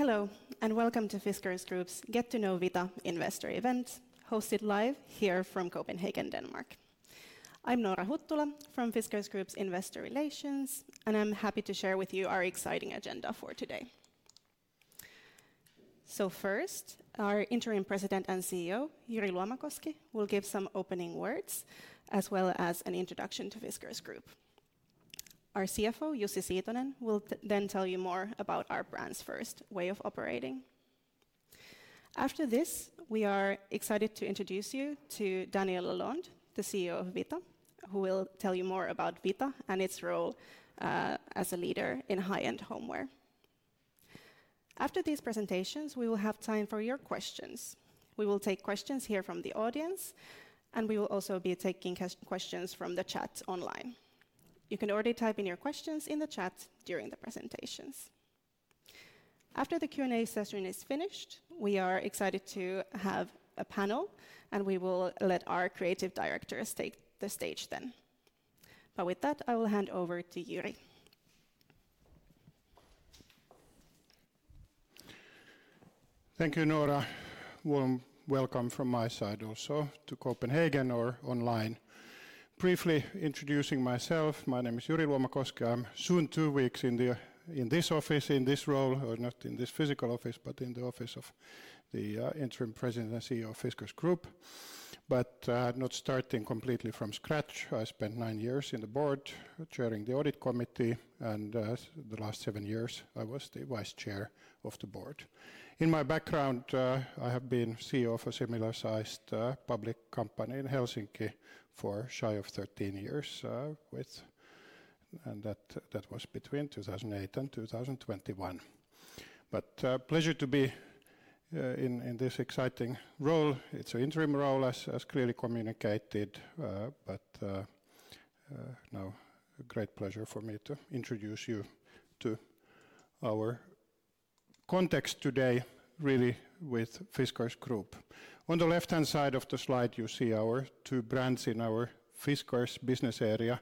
Hello and welcome to Fiskars Group's Get to Know Vita Investor event, hosted live here from Copenhagen, Denmark. I'm Noora Huttula from Fiskars Group's Investor Relations, and I'm happy to share with you our exciting agenda for today. First, our Interim President and CEO, Jyri Luomakoski, will give some opening words as well as an introduction to Fiskars Group. Our CFO, Jussi Siitonen, will then tell you more about our brand-first way of operating. After this, we are excited to introduce you to Daniel Lalonde, the CEO of Vita, who will tell you more about Vita and its role as a leader in high-end homeware. After these presentations, we will have time for your questions. We will take questions here from the audience, and we will also be taking questions from the chat online. You can already type in your questions in the chat during the presentations. After the Q&A session is finished, we are excited to have a panel, and we will let our creative directors take the stage then. With that, I will hand over to Jyri. Thank you, Noora. Warm welcome from my side also to Copenhagen or online. Briefly introducing myself, my name is Jyri Luomakoski. I'm soon two weeks in this office, in this role, not in this physical office, but in the office of the Interim President and CEO of Fiskars Group. Not starting completely from scratch, I spent nine years in the board, chairing the audit committee, and the last seven years I was the Vice Chair of the board. In my background, I have been CEO of a similar-sized public company in Helsinki for shy of 13 years, and that was between 2008 and 2021. Pleasure to be in this exciting role. It's an interim role, as clearly communicated, but now great pleasure for me to introduce you to our context today, really with Fiskars Group. On the left-hand side of the slide, you see our two brands in our Fiskars business area.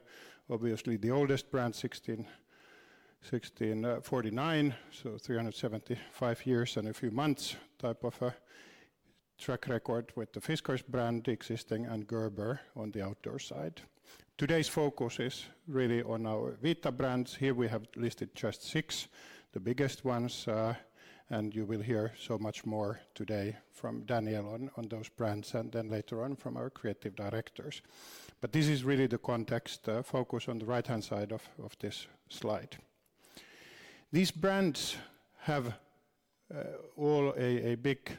Obviously, the oldest brand, 1649, so 375 years and a few months type of a track record with the Fiskars brand existing and Gerber on the outdoor side. Today's focus is really on our Vita brands. Here we have listed just six, the biggest ones, and you will hear so much more today from Daniel on those brands and then later on from our creative directors. This is really the context focused on the right-hand side of this slide. These brands have all a big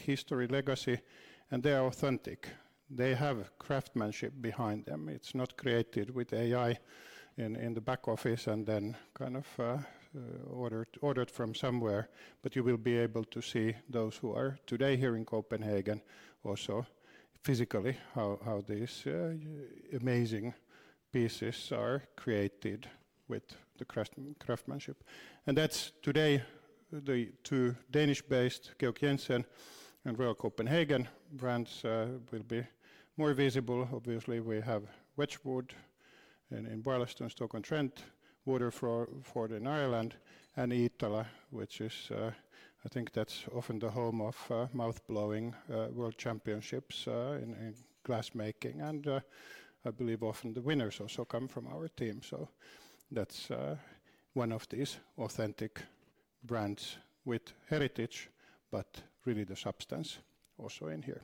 history legacy, and they are authentic. They have craftsmanship behind them. It's not created with AI in the back office and then kind of ordered from somewhere. You will be able to see those who are today here in Copenhagen also physically how these amazing pieces are created with the craftsmanship. That is today the two Danish-based Georg Jensen and Royal Copenhagen brands will be more visible. Obviously, we have Wedgwood in Barlaston, Stoke-on-Trent, Waterford in Ireland, and Iittala, which is, I think that's often the home of mouth-blowing world championships in glassmaking. I believe often the winners also come from our team. That is one of these authentic brands with heritage, but really the substance also in here.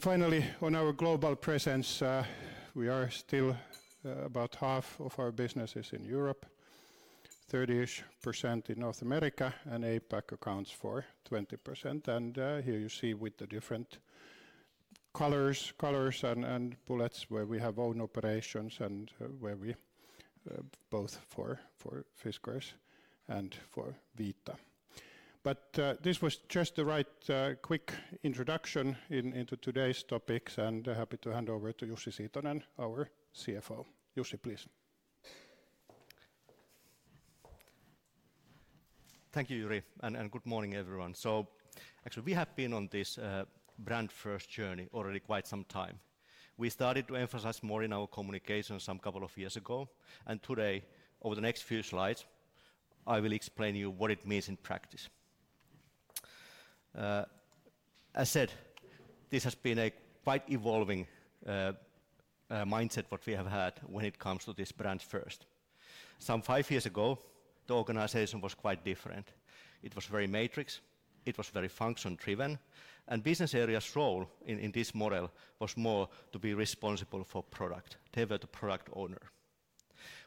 Finally, on our global presence, we are still about half of our business is in Europe, 30% in North America, and APAC accounts for 20%. Here you see with the different colors and bullets where we have own operations and where we both for Fiskars and for Vita. This was just the right quick introduction into today's topics, and I'm happy to hand over to Jussi Siitonen, our CFO. Jussi, please. Thank you, Jyri, and good morning everyone. Actually, we have been on this brand-first journey already quite some time. We started to emphasize more in our communication some couple of years ago, and today, over the next few slides, I will explain to you what it means in practice. As said, this has been a quite evolving mindset what we have had when it comes to this brand-first. Some five years ago, the organization was quite different. It was very matrix. It was very function-driven, and business areas' role in this model was more to be responsible for product, to be the product owner.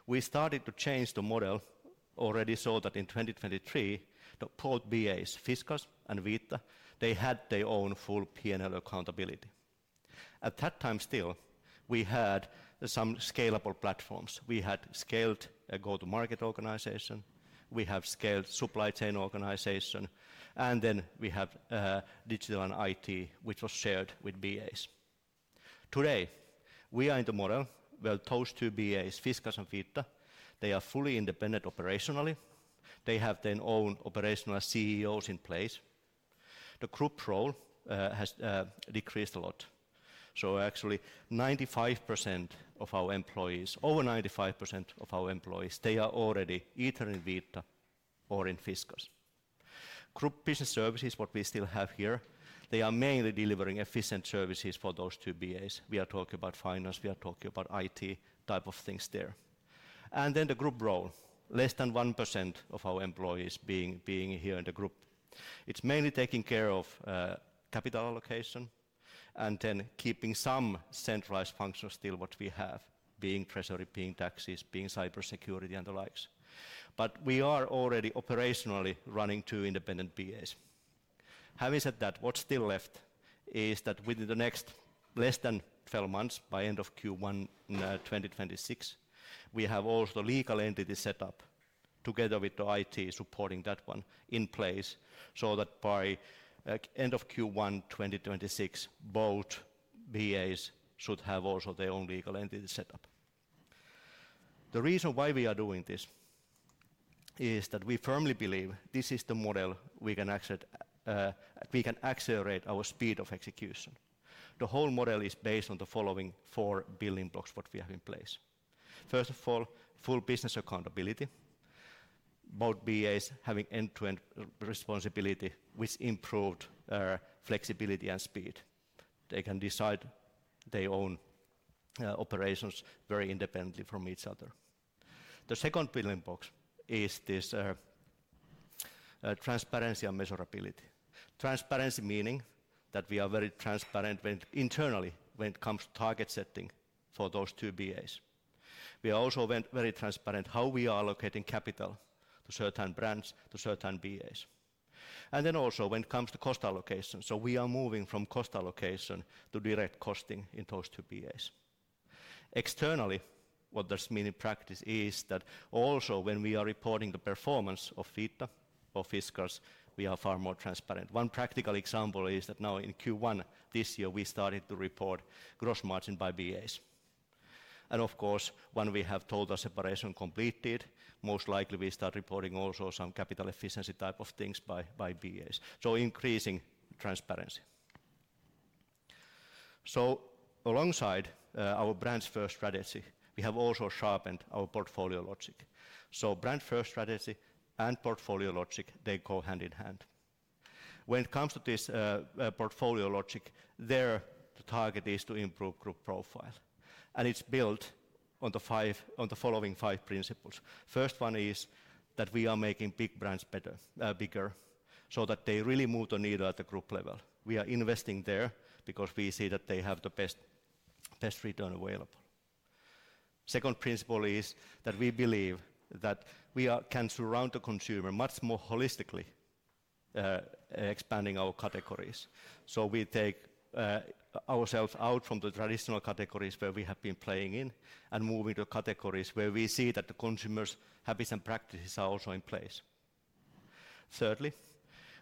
We started to change the model already so that in 2023, the port BAs, Fiskars and Vita, they had their own full P&L accountability. At that time still, we had some scalable platforms. We had scaled a go-to-market organization. We have scaled supply chain organization, and then we have digital and IT, which was shared with BAs. Today, we are in the model where those two BAs, Fiskars and Vita, they are fully independent operationally. They have their own operational CEOs in place. The group role has decreased a lot. Actually, 95% of our employees, over 95% of our employees, they are already either in Vita or in Fiskars. Group business services, what we still have here, they are mainly delivering efficient services for those two BAs. We are talking about finance. We are talking about IT type of things there. The group role, less than 1% of our employees being here in the group. It's mainly taking care of capital allocation and then keeping some centralized function still what we have, being treasury, being taxes, being cybersecurity and the likes. We are already operationally running two independent BAs. Having said that, what's still left is that within the next less than 12 months, by end of Q1 2026, we have also a legal entity set up together with the IT supporting that one in place so that by end of Q1 2026, both BAs should have also their own legal entity set up. The reason why we are doing this is that we firmly believe this is the model we can accelerate our speed of execution. The whole model is based on the following four building blocks what we have in place. First of all, full business accountability, both BAs having end-to-end responsibility with improved flexibility and speed. They can decide their own operations very independently from each other. The second building block is this transparency and measurability. Transparency meaning that we are very transparent internally when it comes to target setting for those two BAs. We are also very transparent how we are allocating capital to certain brands, to certain BAs. Then also when it comes to cost allocation. We are moving from cost allocation to direct costing in those two BAs. Externally, what this means in practice is that also when we are reporting the performance of Vita or Fiskars, we are far more transparent. One practical example is that now in Q1 this year, we started to report gross margin by BAs. Of course, when we have total separation completed, most likely we start reporting also some capital efficiency type of things by BAs. Increasing transparency. Alongside our brand-first strategy, we have also sharpened our portfolio logic. Brand-first strategy and portfolio logic, they go hand in hand. When it comes to this portfolio logic, their target is to improve group profile. It is built on the following five principles. First one is that we are making big brands bigger so that they really move the needle at the group level. We are investing there because we see that they have the best return available. Second principle is that we believe that we can surround the consumer much more holistically, expanding our categories. We take ourselves out from the traditional categories where we have been playing in and moving to categories where we see that the consumers' habits and practices are also in place. Thirdly,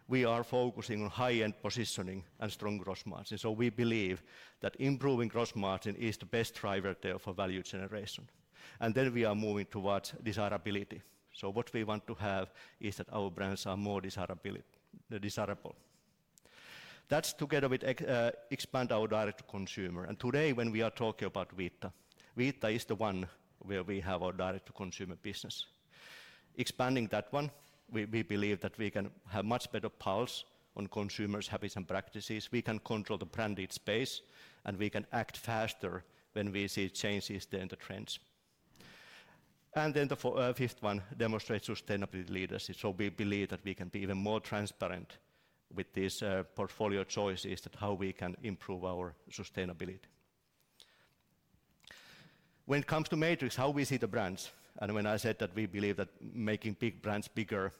we are focusing on high-end positioning and strong gross margin. We believe that improving gross margin is the best driver there for value generation. We are moving towards desirability. What we want to have is that our brands are more desirable. That is together with expand our direct-to-consumer. Today, when we are talking about Vita, Vita is the one where we have our direct-to-consumer business. Expanding that one, we believe that we can have much better pulse on consumers' habits and practices. We can control the branded space, and we can act faster when we see changes in the trends. The fifth one demonstrates sustainability leadership. We believe that we can be even more transparent with these portfolio choices, that how we can improve our sustainability. When it comes to matrix, how we see the brands. When I said that we believe that making big brands bigger,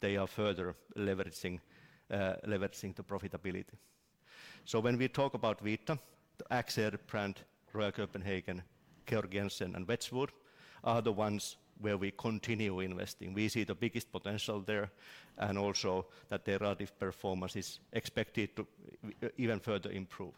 they are further leveraging the profitability. When we talk about Vita, Iittala, Royal Copenhagen, Georg Jensen, and Wedgwood are the ones where we continue investing. We see the biggest potential there and also that their relative performance is expected to even further improve.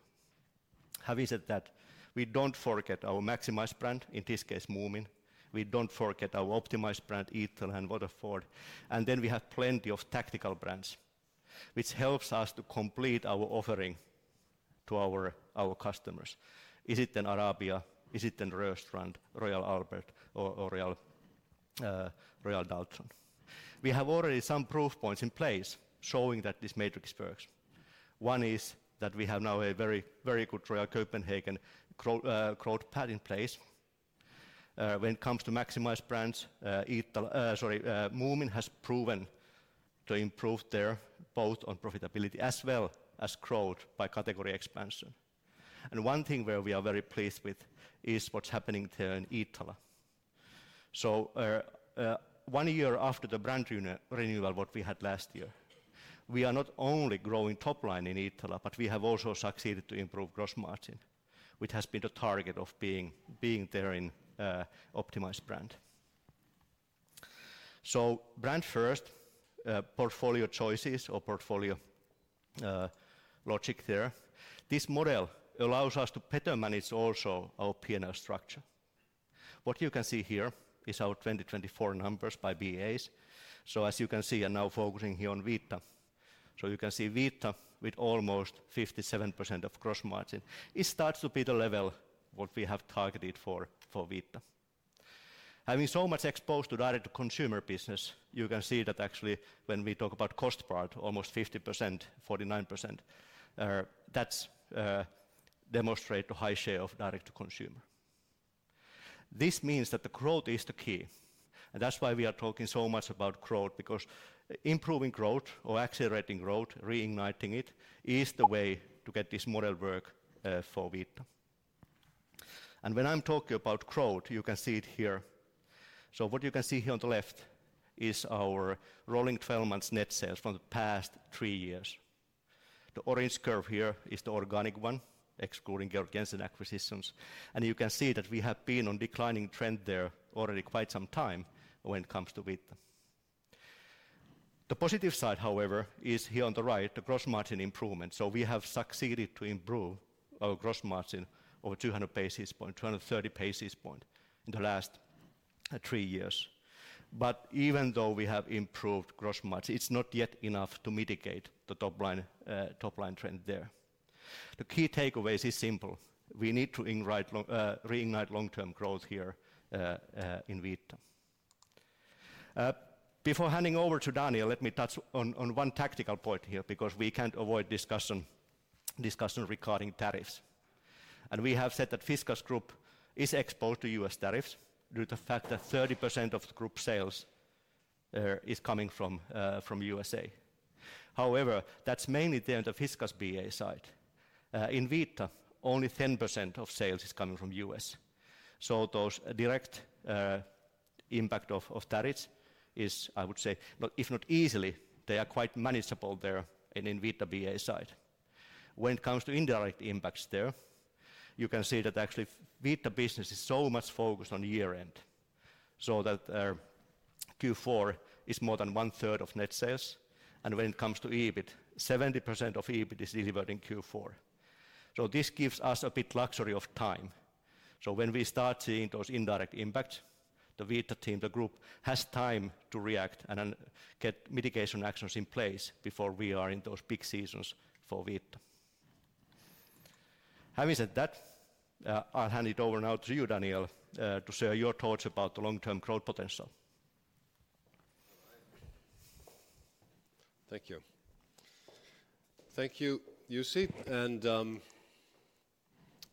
Having said that, we do not forget our maximized brand, in this case Moomin. We do not forget our optimized brand, Iittala, Waterford. And then we have plenty of tactical brands, which helps us to complete our offering to our customers. Is it then Arabia? Is it then Rörstrand, Royal Albert, or Royal Doulton? We have already some proof points in place showing that this matrix works. One is that we have now a very good Royal Copenhagen growth path in place. When it comes to maximized brands, Moomin has proven to improve there both on profitability as well as growth by category expansion. One thing where we are very pleased with is what is happening there in Iittala. One year after the brand renewal, what we had last year, we are not only growing top line in Iittala, but we have also succeeded to improve gross margin, which has been the target of being there in optimized brand. Brand-first portfolio choices or portfolio logic there, this model allows us to better manage also our P&L structure. What you can see here is our 2024 numbers by BAs. As you can see, I'm now focusing here on Vita. You can see Vita with almost 57% of gross margin. It starts to be the level what we have targeted for Vita. Having so much exposed to direct-to-consumer business, you can see that actually when we talk about cost part, almost 50%, 49%, that's demonstrated to high share of direct-to-consumer. This means that the growth is the key. That is why we are talking so much about growth, because improving growth or accelerating growth, reigniting it, is the way to get this model work for Vita. When I'm talking about growth, you can see it here. What you can see here on the left is our rolling 12-month net sales from the past three years. The orange curve here is the organic one, excluding Georg Jensen acquisitions. You can see that we have been on a declining trend there already quite some time when it comes to Vita. The positive side, however, is here on the right, the gross margin improvement. We have succeeded to improve our gross margin over 200 basis points, 230 basis points in the last three years. Even though we have improved gross margin, it is not yet enough to mitigate the top line trend there. The key takeaway is simple. We need to reignite long-term growth here in Vita. Before handing over to Daniel, let me touch on one tactical point here, because we can't avoid discussion regarding tariffs. We have said that Fiskars Group is exposed to U.S. tariffs due to the fact that 30% of the group sales is coming from the U.S. However, that's mainly there in the Fiskars BA side. In Vita, only 10% of sales is coming from the U.S. Those direct impact of tariffs is, I would say, if not easily, they are quite manageable there in Vita BA side. When it comes to indirect impacts there, you can see that actually Vita business is so much focused on year-end so that Q4 is more than one-third of net sales. When it comes to EBIT, 70% of EBIT is delivered in Q4. This gives us a bit luxury of time. When we start seeing those indirect impacts, the Vita team, the group has time to react and get mitigation actions in place before we are in those peak seasons for Vita. Having said that, I'll hand it over now to you, Daniel, to share your thoughts about the long-term growth potential. Thank you. Thank you, Jussi.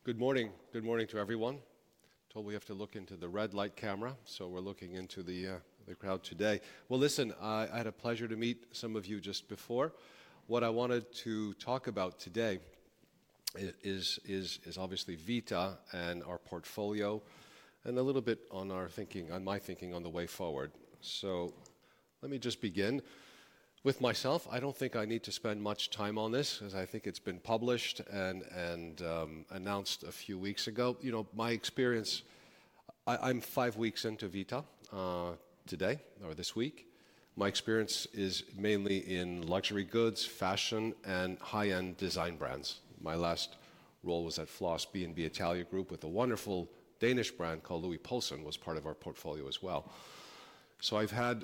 Good morning. Good morning to everyone. Told we have to look into the red light camera, so we're looking into the crowd today. I had a pleasure to meet some of you just before. What I wanted to talk about today is obviously Vita and our portfolio and a little bit on our thinking, on my thinking on the way forward. Let me just begin with myself. I do not think I need to spend much time on this as I think it has been published and announced a few weeks ago. My experience, I am five weeks into Vita today or this week. My experience is mainly in luxury goods, fashion, and high-end design brands. My last role was at Flos B&B Italia Group with a wonderful Danish brand called Louis Poulsen, was part of our portfolio as well. I've had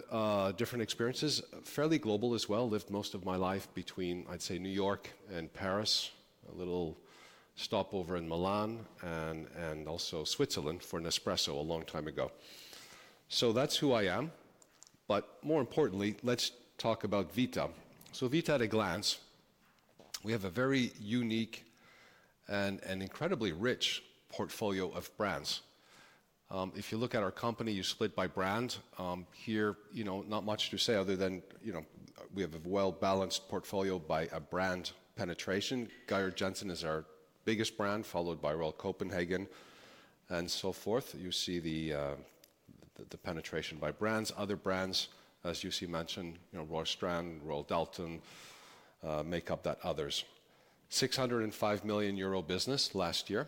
different experiences, fairly global as well. Lived most of my life between, I'd say, New York and Paris, a little stopover in Milan and also Switzerland for Nespresso a long time ago. That's who I am. More importantly, let's talk about Vita. Vita at a glance, we have a very unique and incredibly rich portfolio of brands. If you look at our company, you split by brand. Here, not much to say other than we have a well-balanced portfolio by brand penetration. Georg Jensen is our biggest brand, followed by Royal Copenhagen and so forth. You see the penetration by brands. Other brands, as Jussi mentioned, Rörstrand, Royal Doulton, make up that others. 605 million euro business last year.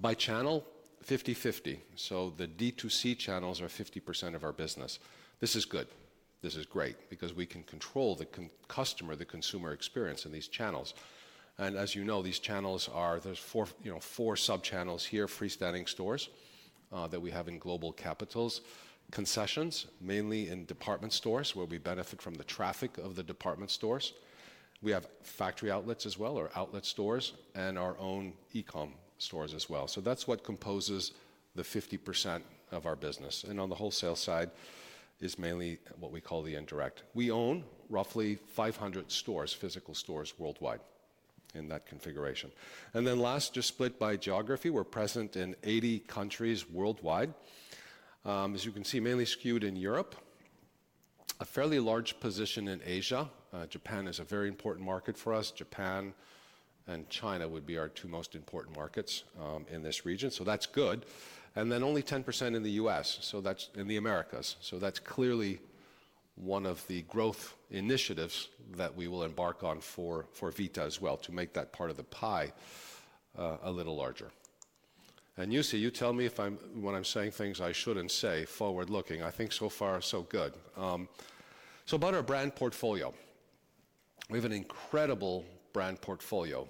By channel, 50/50. The D2C channels are 50% of our business. This is good. This is great because we can control the customer, the consumer experience in these channels. As you know, these channels are, there's four sub-channels here: freestanding stores that we have in global capitals, concessions, mainly in department stores where we benefit from the traffic of the department stores. We have factory outlets as well, or outlet stores, and our own e-com stores as well. That's what composes the 50% of our business. On the wholesale side, it's mainly what we call the indirect. We own roughly 500 stores, physical stores worldwide in that configuration. Last, just split by geography, we're present in 80 countries worldwide. As you can see, mainly skewed in Europe. A fairly large position in Asia. Japan is a very important market for us. Japan and China would be our two most important markets in this region. That's good. Then only 10% in the U.S., so that is in the Americas. That is clearly one of the growth initiatives that we will embark on for Vita as well to make that part of the pie a little larger. Jussi, you tell me if I am, when I am saying things I should not say, forward-looking. I think so far so good. About our brand portfolio, we have an incredible brand portfolio.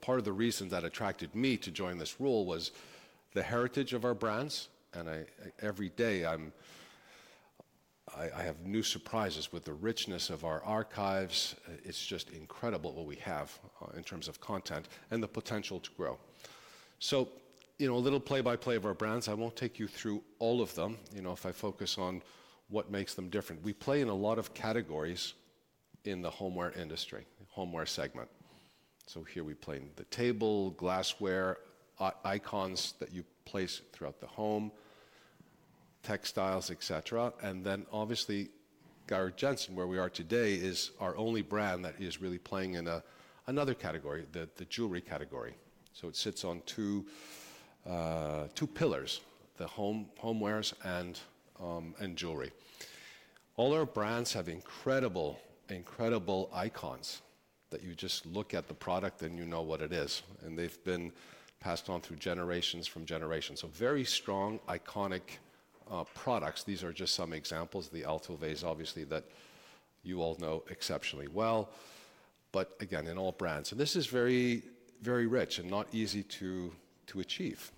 Part of the reason that attracted me to join this role was the heritage of our brands. Every day I have new surprises with the richness of our archives. It is just incredible what we have in terms of content and the potential to grow. A little play-by-play of our brands. I will not take you through all of them if I focus on what makes them different. We play in a lot of categories in the homeware industry, homeware segment. Here we play in the table, glassware, icons that you place throughout the home, textiles, etc. Obviously, Georg Jensen, where we are today, is our only brand that is really playing in another category, the jewelry category. It sits on two pillars, the homewares and jewelry. All our brands have incredible, incredible icons that you just look at the product and you know what it is. They have been passed on through generations from generation. Very strong, iconic products. These are just some examples. The Alto Vase obviously that you all know exceptionally well. Again, in all brands. This is very rich and not easy to achieve.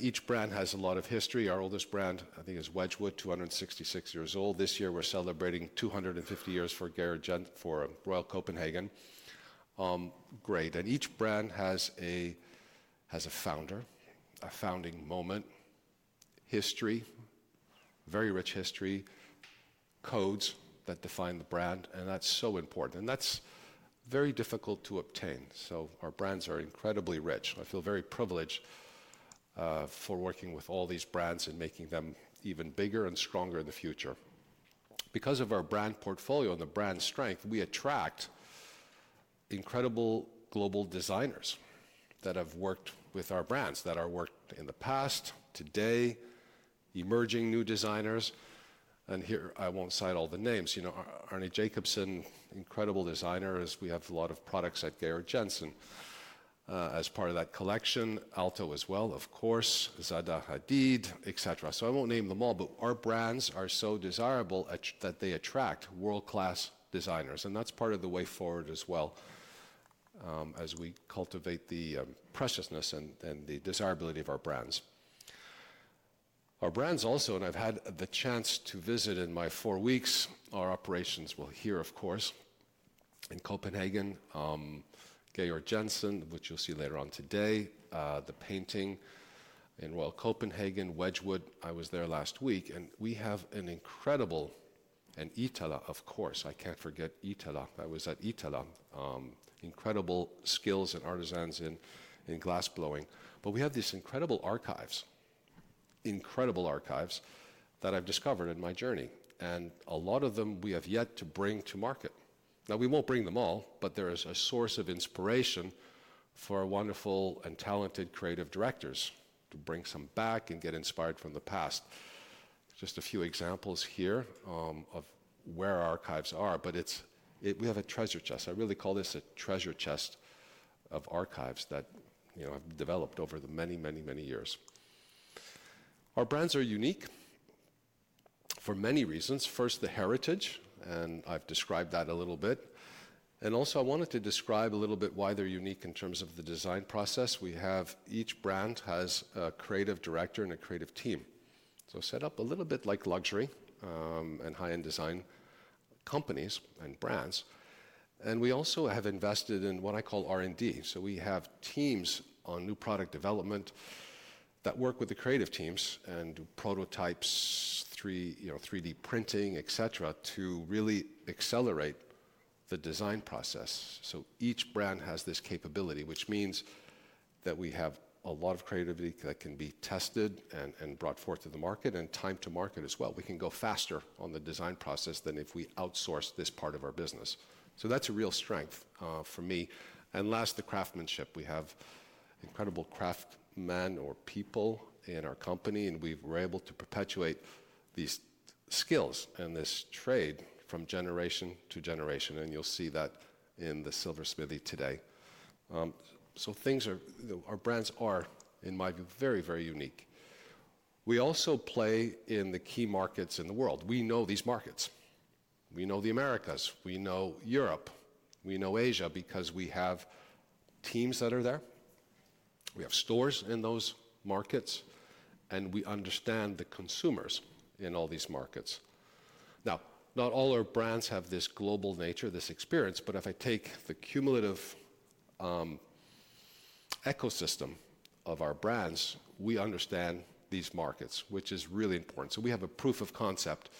Each brand has a lot of history. Our oldest brand, I think, is Wedgwood, 266 years old. This year we're celebrating 250 years for Royal Copenhagen. Great. Each brand has a founder, a founding moment, history, very rich history, codes that define the brand. That's so important. That's very difficult to obtain. Our brands are incredibly rich. I feel very privileged for working with all these brands and making them even bigger and stronger in the future. Because of our brand portfolio and the brand strength, we attract incredible global designers that have worked with our brands, that have worked in the past, today, emerging new designers. Here, I won't cite all the names. Arne Jacobsen, incredible designer. We have a lot of products at Georg Jensen as part of that collection. Alto as well, of course, Zaha Hadid, etc. I won't name them all, but our brands are so desirable that they attract world-class designers. That's part of the way forward as well as we cultivate the preciousness and the desirability of our brands. Our brands also, and I've had the chance to visit in my four weeks, our operations were here, of course, in Copenhagen, Georg Jensen, which you'll see later on today, the painting in Royal Copenhagen, Wedgwood. I was there last week. We have an incredible and Iittala, of course. I can't forget Iittala. I was at Iittala. Incredible skills and artisans in glassblowing. We have these incredible archives, incredible archives that I've discovered in my journey. A lot of them we have yet to bring to market. Now, we won't bring them all, but there is a source of inspiration for wonderful and talented creative directors to bring some back and get inspired from the past. Just a few examples here of where archives are, but we have a treasure chest. I really call this a treasure chest of archives that have developed over the many, many, many years. Our brands are unique for many reasons. First, the heritage, and I have described that a little bit. I also wanted to describe a little bit why they are unique in terms of the design process. Each brand has a creative director and a creative team. Set up a little bit like luxury and high-end design companies and brands. We also have invested in what I call R&D. We have teams on new product development that work with the creative teams and prototypes, 3D printing, etc., to really accelerate the design process. Each brand has this capability, which means that we have a lot of creativity that can be tested and brought forth to the market and time to market as well. We can go faster on the design process than if we outsource this part of our business. That is a real strength for me. Last, the craftsmanship. We have incredible craftsmen or people in our company, and we were able to perpetuate these skills and this trade from generation to generation. You will see that in the silversmithy today. Our brands are, in my view, very, very unique. We also play in the key markets in the world. We know these markets. We know the Americas. We know Europe. We know Asia because we have teams that are there. We have stores in those markets, and we understand the consumers in all these markets. Now, not all our brands have this global nature, this experience, but if I take the cumulative ecosystem of our brands, we understand these markets, which is really important. We have a proof of concept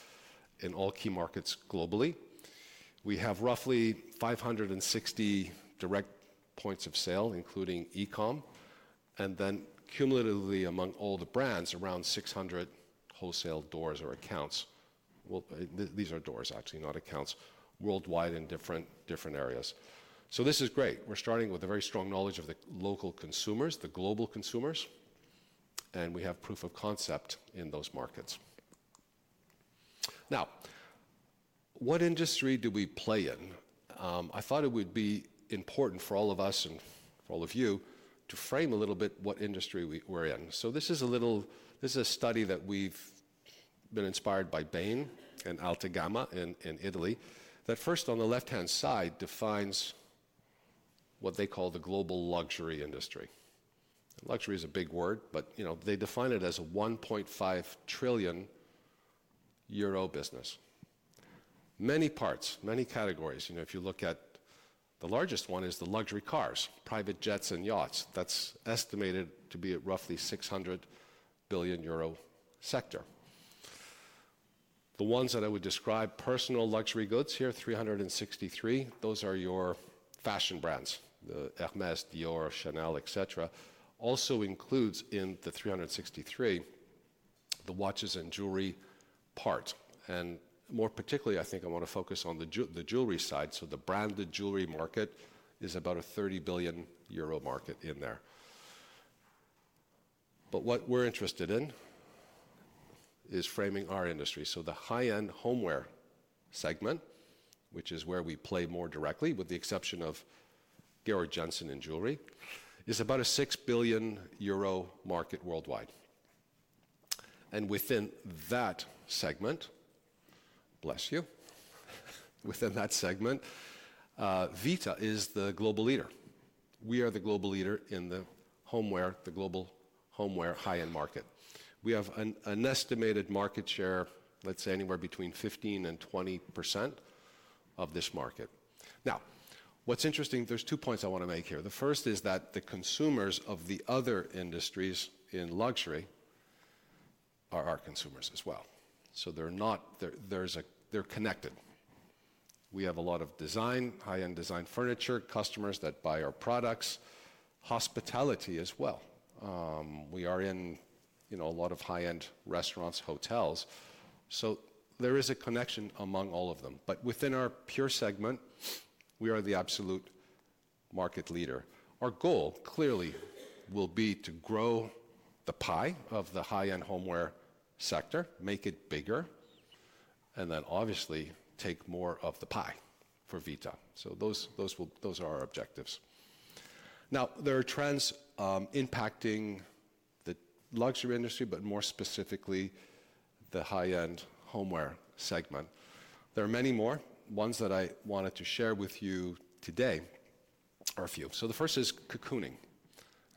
in all key markets globally. We have roughly 560 direct points of sale, including e-com, and then cumulatively among all the brands, around 600 wholesale doors or accounts. These are doors, actually, not accounts, worldwide in different areas. This is great. We're starting with a very strong knowledge of the local consumers, the global consumers, and we have proof of concept in those markets. Now, what industry do we play in? I thought it would be important for all of us and for all of you to frame a little bit what industry we're in. This is a study that we've been inspired by Bain & Company and Altagamma in Italy that first, on the left-hand side, defines what they call the global luxury industry. Luxury is a big word, but they define it as a 1.5 trillion euro business. Many parts, many categories. If you look at the largest one, it is the luxury cars, private jets, and yachts. That's estimated to be a roughly 600 billion euro sector. The ones that I would describe, personal luxury goods here, 363 billion, those are your fashion brands, Hermès, Dior, Chanel, etc. Also included in the 363 billion, the watches and jewelry part. More particularly, I think I want to focus on the jewelry side. The branded jewelry market is about a 30 billion euro market in there. What we're interested in is framing our industry. The high-end homeware segment, which is where we play more directly, with the exception of Georg Jensen in jewelry, is about 6 billion euro market worldwide. Within that segment, bless you, within that segment, Vita is the global leader. We are the global leader in the homeware, the global homeware high-end market. We have an estimated market share, let's say, anywhere between 15-20% of this market. Now, what's interesting, there are two points I want to make here. The first is that the consumers of the other industries in luxury are our consumers as well. They are connected. We have a lot of design, high-end design furniture, customers that buy our products, hospitality as well. We are in a lot of high-end restaurants, hotels. There is a connection among all of them. Within our pure segment, we are the absolute market leader. Our goal clearly will be to grow the pie of the high-end homeware sector, make it bigger, and then obviously take more of the pie for Vita. Those are our objectives. Now, there are trends impacting the luxury industry, but more specifically the high-end homeware segment. There are many more. Ones that I wanted to share with you today are a few. The first is cocooning.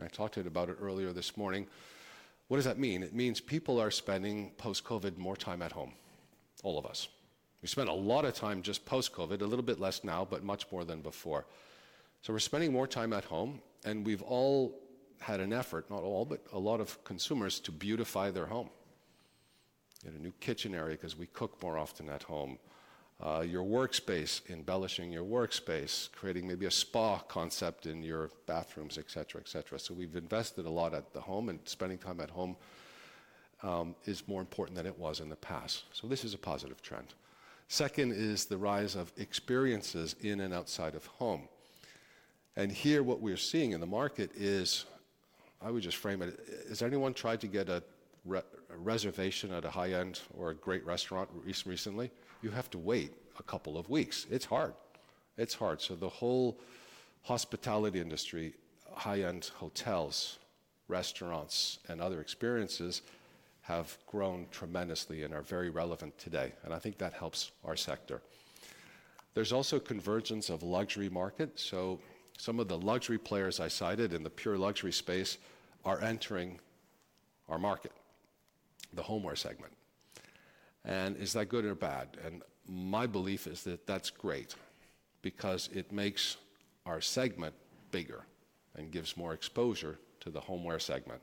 I talked to you about it earlier this morning. What does that mean? It means people are spending post-COVID more time at home, all of us. We spent a lot of time just post-COVID, a little bit less now, but much more than before. We are spending more time at home, and we've all had an effort, not all, but a lot of consumers to beautify their home. You had a new kitchen area because we cook more often at home, your workspace, embellishing your workspace, creating maybe a spa concept in your bathrooms, etc., etc. We have invested a lot at the home, and spending time at home is more important than it was in the past. This is a positive trend. Second is the rise of experiences in and outside of home. Here, what we are seeing in the market is, I would just frame it, has anyone tried to get a reservation at a high-end or a great restaurant recently? You have to wait a couple of weeks. It's hard. It's hard. The whole hospitality industry, high-end hotels, restaurants, and other experiences have grown tremendously and are very relevant today. I think that helps our sector. There is also a convergence of luxury market. Some of the luxury players I cited in the pure luxury space are entering our market, the homeware segment. Is that good or bad? My belief is that that's great because it makes our segment bigger and gives more exposure to the homeware segment.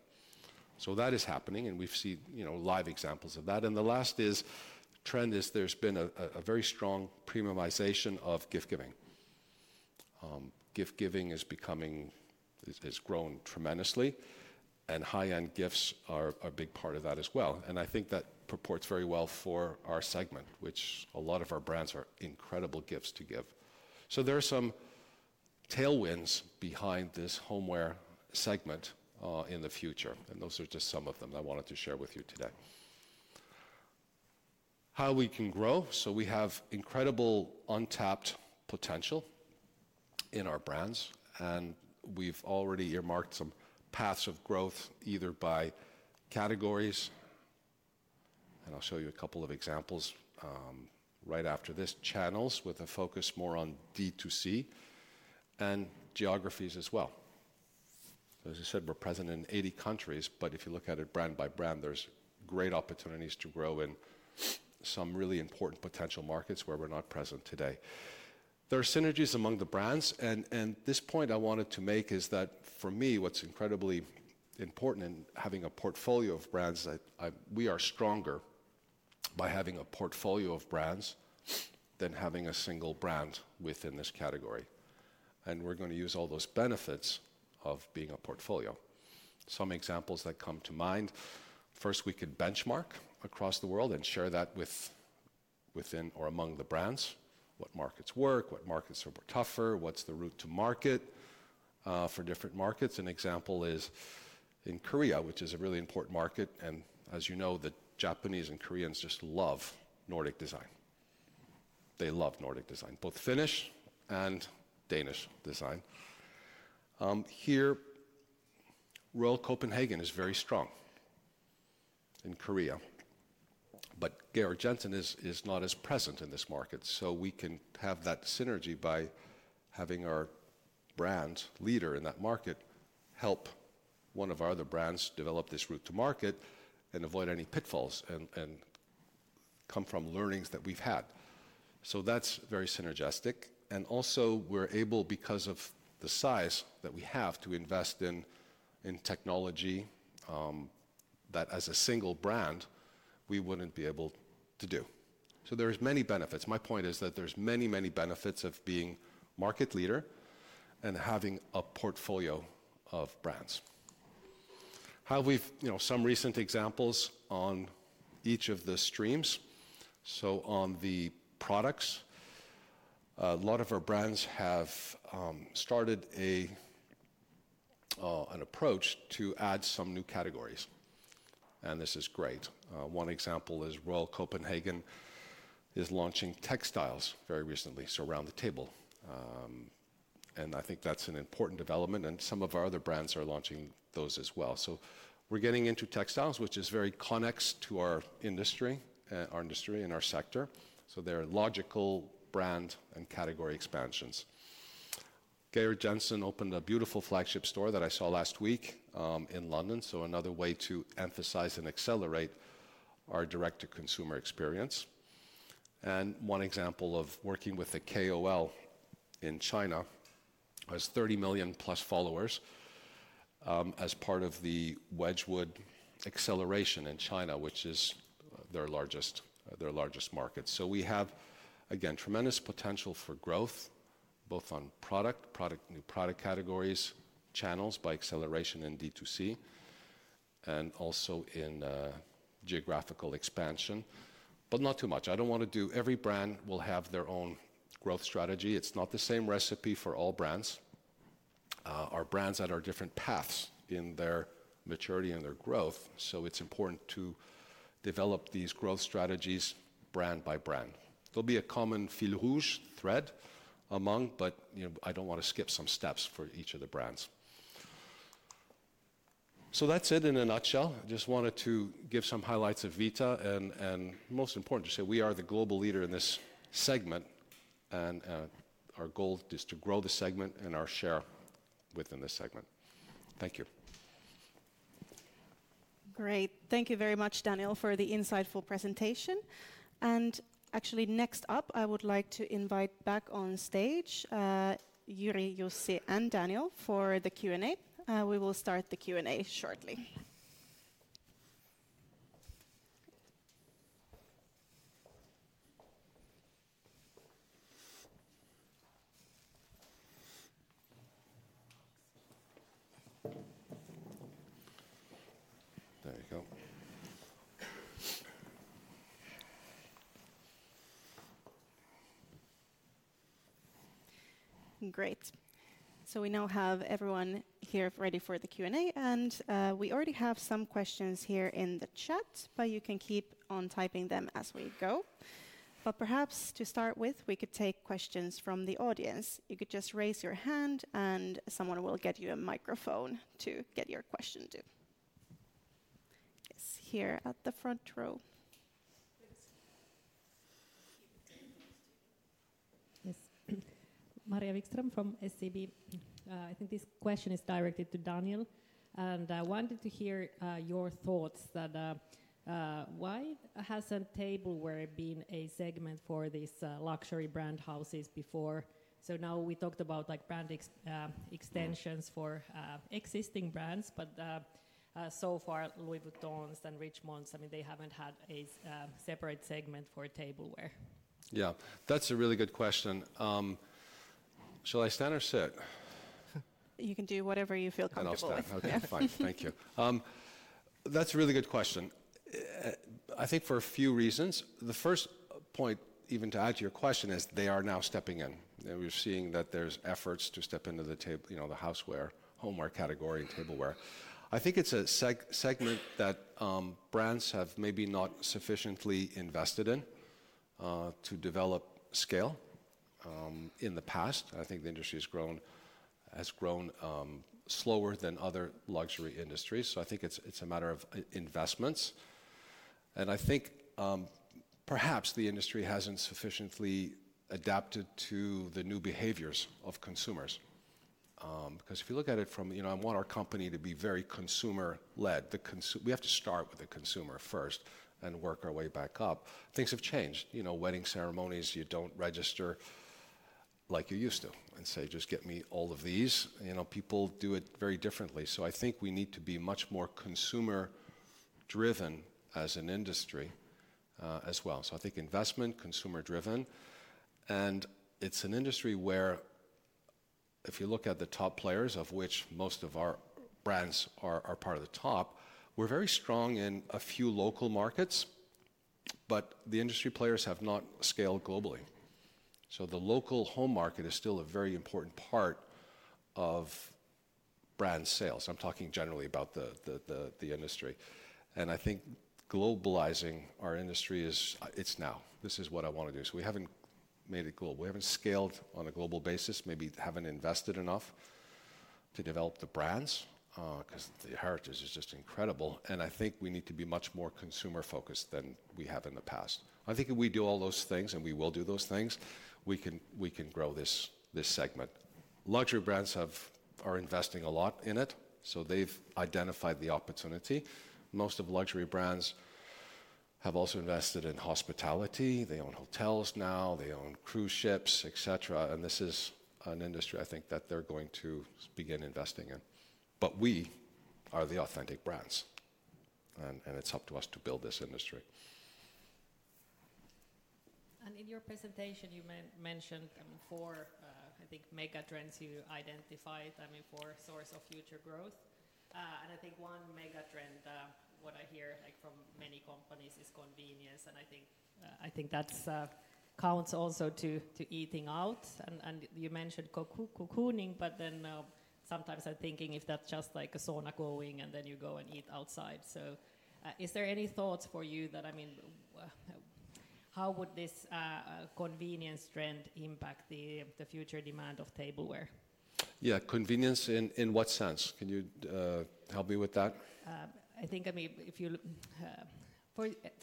That is happening, and we've seen live examples of that. The last trend is there's been a very strong premiumization of gift giving. Gift giving has grown tremendously, and high-end gifts are a big part of that as well. I think that purports very well for our segment, which a lot of our brands are incredible gifts to give. There are some tailwinds behind this homeware segment in the future. Those are just some of them that I wanted to share with you today. How we can grow. We have incredible untapped potential in our brands, and we've already earmarked some paths of growth either by categories. I'll show you a couple of examples right after this, channels with a focus more on D2C and geographies as well. As I said, we're present in 80 countries, but if you look at it brand by brand, there's great opportunities to grow in some really important potential markets where we're not present today. There are synergies among the brands. This point I wanted to make is that for me, what's incredibly important in having a portfolio of brands, we are stronger by having a portfolio of brands than having a single brand within this category. We're going to use all those benefits of being a portfolio. Some examples that come to mind. First, we could benchmark across the world and share that within or among the brands, what markets work, what markets are tougher, what's the route to market for different markets. An example is in Korea, which is a really important market. And as you know, the Japanese and Koreans just love Nordic design. They love Nordic design, both Finnish and Danish design. Here, Royal Copenhagen is very strong in Korea, but Georg Jensen is not as present in this market. We can have that synergy by having our brand leader in that market help one of our other brands develop this route to market and avoid any pitfalls and come from learnings that we've had. That is very synergistic. Also, we're able, because of the size that we have, to invest in technology that, as a single brand, we wouldn't be able to do. There are many benefits. My point is that there are many, many benefits of being market leader and having a portfolio of brands. Some recent examples on each of the streams. On the products, a lot of our brands have started an approach to add some new categories. This is great. One example is Royal Copenhagen is launching textiles very recently, so round the table. I think that's an important development. Some of our other brands are launching those as well. We're getting into textiles, which is very connected to our industry and our sector. There are logical brand and category expansions. Georg Jensen opened a beautiful flagship store that I saw last week in London. Another way to emphasize and accelerate our direct-to-consumer experience. One example of working with a KOL in China has 30 million plus followers as part of the Wedgwood acceleration in China, which is their largest market. We have, again, tremendous potential for growth, both on product, new product categories, channels by acceleration in D2C, and also in geographical expansion, but not too much. I don't want to do every brand will have their own growth strategy. It's not the same recipe for all brands. Our brands are at different paths in their maturity and their growth. It's important to develop these growth strategies brand by brand. There will be a common fil rouge thread among, but I don't want to skip some steps for each of the brands. That's it in a nutshell. I just wanted to give some highlights of Vita and, most importantly, to say we are the global leader in this segment, and our goal is to grow the segment and our share within the segment. Thank you. Great. Thank you very much, Daniel, for the insightful presentation. Actually, next up, I would like to invite back on stage Jyri, Jussi, and Daniel for the Q&A. We will start the Q&A shortly. There you go. Great. We now have everyone here ready for the Q&A, and we already have some questions here in the chat, but you can keep on typing them as we go. Perhaps to start with, we could take questions from the audience. You could just raise your hand, and someone will get you a microphone to get your question to. Yes, here at the front row. Yes. Maria Wikström from SEB. I think this question is directed to Daniel, and I wanted to hear your thoughts. Why hasn't tableware been a segment for these luxury brand houses before? Now we talked about brand extensions for existing brands, but so far, Louis Vuitton's and Richemont's, I mean, they haven't had a separate segment for tableware. Yeah, that's a really good question. Shall I stand or sit? You can do whatever you feel comfortable with. I'll stand. Okay, fine. Thank you. That's a really good question. I think for a few reasons. The first point even to add to your question is they are now stepping in. We're seeing that there's efforts to step into the houseware, homeware category, tableware. I think it's a segment that brands have maybe not sufficiently invested in to develop scale in the past. I think the industry has grown slower than other luxury industries. I think it's a matter of investments. I think perhaps the industry hasn't sufficiently adapted to the new behaviors of consumers. Because if you look at it from, I want our company to be very consumer-led. We have to start with the consumer first and work our way back up. Things have changed. Wedding ceremonies, you don't register like you used to and say, "Just get me all of these." People do it very differently. I think we need to be much more consumer-driven as an industry as well. I think investment, consumer-driven. It's an industry where if you look at the top players, of which most of our brands are part of the top, we're very strong in a few local markets, but the industry players have not scaled globally. The local home market is still a very important part of brand sales. I'm talking generally about the industry. I think globalizing our industry is, it's now. This is what I want to do. We haven't made it global. We haven't scaled on a global basis, maybe haven't invested enough to develop the brands because the heritage is just incredible. I think we need to be much more consumer-focused than we have in the past. I think if we do all those things, and we will do those things, we can grow this segment. Luxury brands are investing a lot in it, so they've identified the opportunity. Most of luxury brands have also invested in hospitality. They own hotels now. They own cruise ships, etc. This is an industry I think that they're going to begin investing in. We are the authentic brands, and it's up to us to build this industry. In your presentation, you mentioned four, I think, mega trends you identified, I mean, four sources of future growth. I think one mega trend, what I hear from many companies, is convenience. I think that counts also to eating out. You mentioned cocooning, but then sometimes I'm thinking if that's just like a sauna going and then you go and eat outside. Is there any thoughts for you that, I mean, how would this convenience trend impact the future demand of tableware? Yeah, convenience in what sense? Can you help me with that? I think, I mean,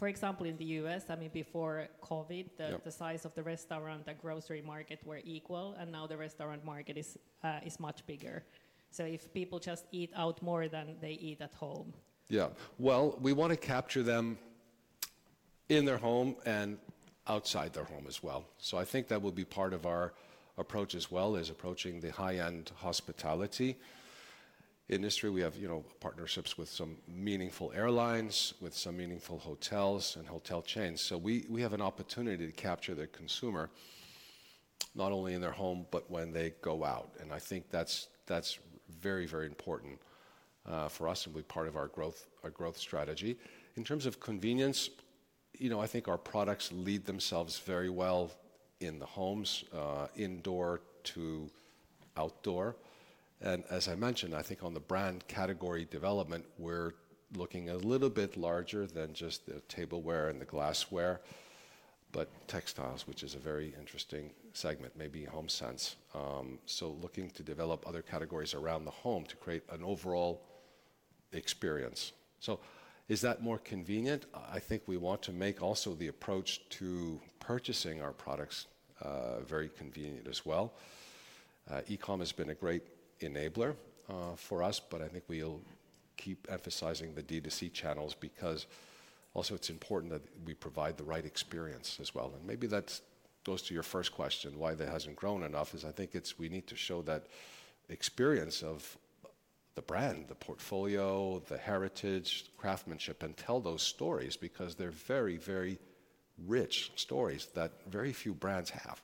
for example, in the U.S., I mean, before COVID, the size of the restaurant and grocery market were equal, and now the restaurant market is much bigger. If people just eat out more than they eat at home. Yeah. We want to capture them in their home and outside their home as well. I think that will be part of our approach as well as approaching the high-end hospitality industry. We have partnerships with some meaningful airlines, with some meaningful hotels and hotel chains. We have an opportunity to capture the consumer not only in their home, but when they go out. I think that's very, very important for us and will be part of our growth strategy. In terms of convenience, I think our products lead themselves very well in the homes, indoor to outdoor. As I mentioned, I think on the brand category development, we're looking a little bit larger than just the tableware and the glassware, but textiles, which is a very interesting segment, maybe home sense. Looking to develop other categories around the home to create an overall experience. Is that more convenient? I think we want to make also the approach to purchasing our products very convenient as well. E-com has been a great enabler for us, but I think we'll keep emphasizing the D2C channels because also it's important that we provide the right experience as well. Maybe that goes to your first question, why that hasn't grown enough, is I think we need to show that experience of the brand, the portfolio, the heritage, craftsmanship, and tell those stories because they're very, very rich stories that very few brands have.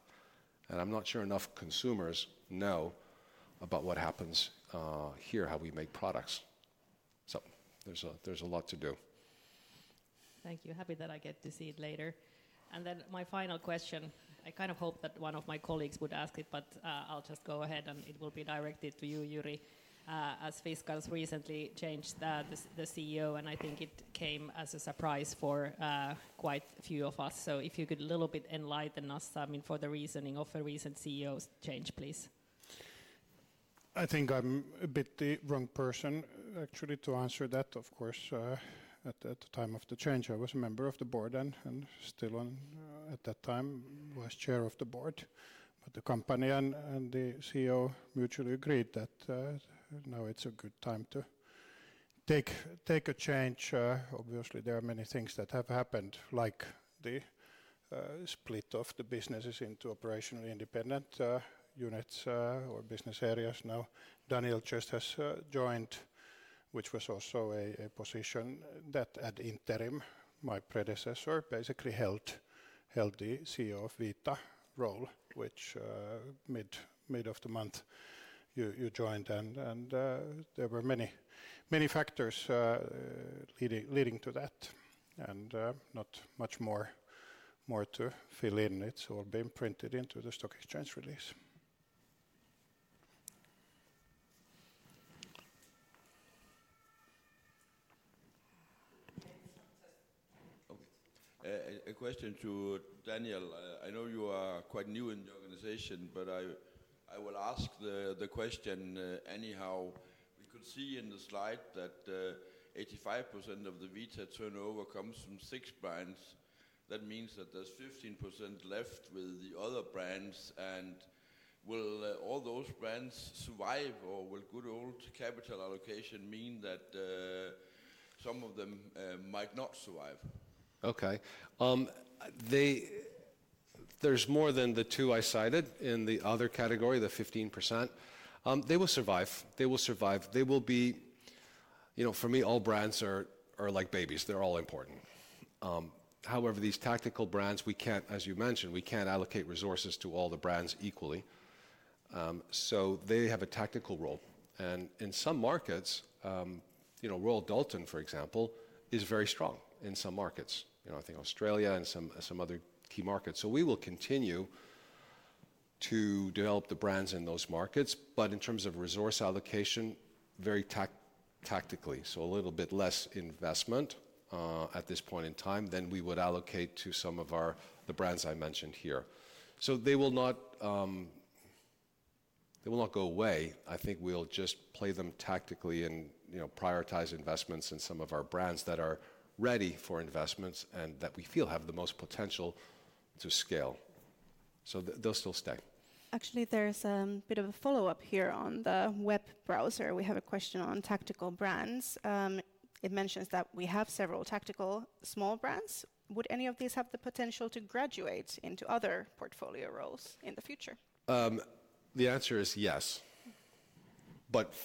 I'm not sure enough consumers know about what happens here, how we make products. There's a lot to do. Thank you. Happy that I get to see it later. And then my final question, I kind of hope that one of my colleagues would ask it, but I'll just go ahead and it will be directed to you, Jyri. As Fiskars recently changed the CEO, and I think it came as a surprise for quite a few of us. If you could a little bit enlighten us, I mean, for the reasoning of a recent CEO change, please. I think I'm a bit the wrong person actually to answer that. Of course, at the time of the change, I was a member of the board and still at that time was Chair of the Board. The company and the CEO mutually agreed that now it's a good time to take a change. Obviously, there are many things that have happened, like the split of the businesses into operationally independent units or business areas. Now, Daniel just has joined, which was also a position that at interim, my predecessor basically held, the CEO of Vita role, which mid of the month you joined. There were many factors leading to that. Not much more to fill in. It's all been printed into the stock exchange release. A question to Danielle. I know you are quite new in the organization, but I will ask the question anyhow. We could see in the slide that 85% of the Vita turnover comes from six brands. That means that there's 15% left with the other brands. Will all those brands survive, or will good old capital allocation mean that some of them might not survive? Okay. There's more than the two I cited in the other category, the 15%. They will survive. They will survive. They will be, for me, all brands are like babies. They're all important. However, these tactical brands, as you mentioned, we can't allocate resources to all the brands equally. They have a tactical role. In some markets, Royal Doulton, for example, is very strong in some markets. I think Australia and some other key markets. We will continue to develop the brands in those markets, but in terms of resource allocation, very tactically. A little bit less investment at this point in time than we would allocate to some of the brands I mentioned here. They will not go away. I think we'll just play them tactically and prioritize investments in some of our brands that are ready for investments and that we feel have the most potential to scale. They'll still stay. Actually, there's a bit of a follow-up here on the web browser. We have a question on tactical brands. It mentions that we have several tactical small brands. Would any of these have the potential to graduate into other portfolio roles in the future? The answer is yes.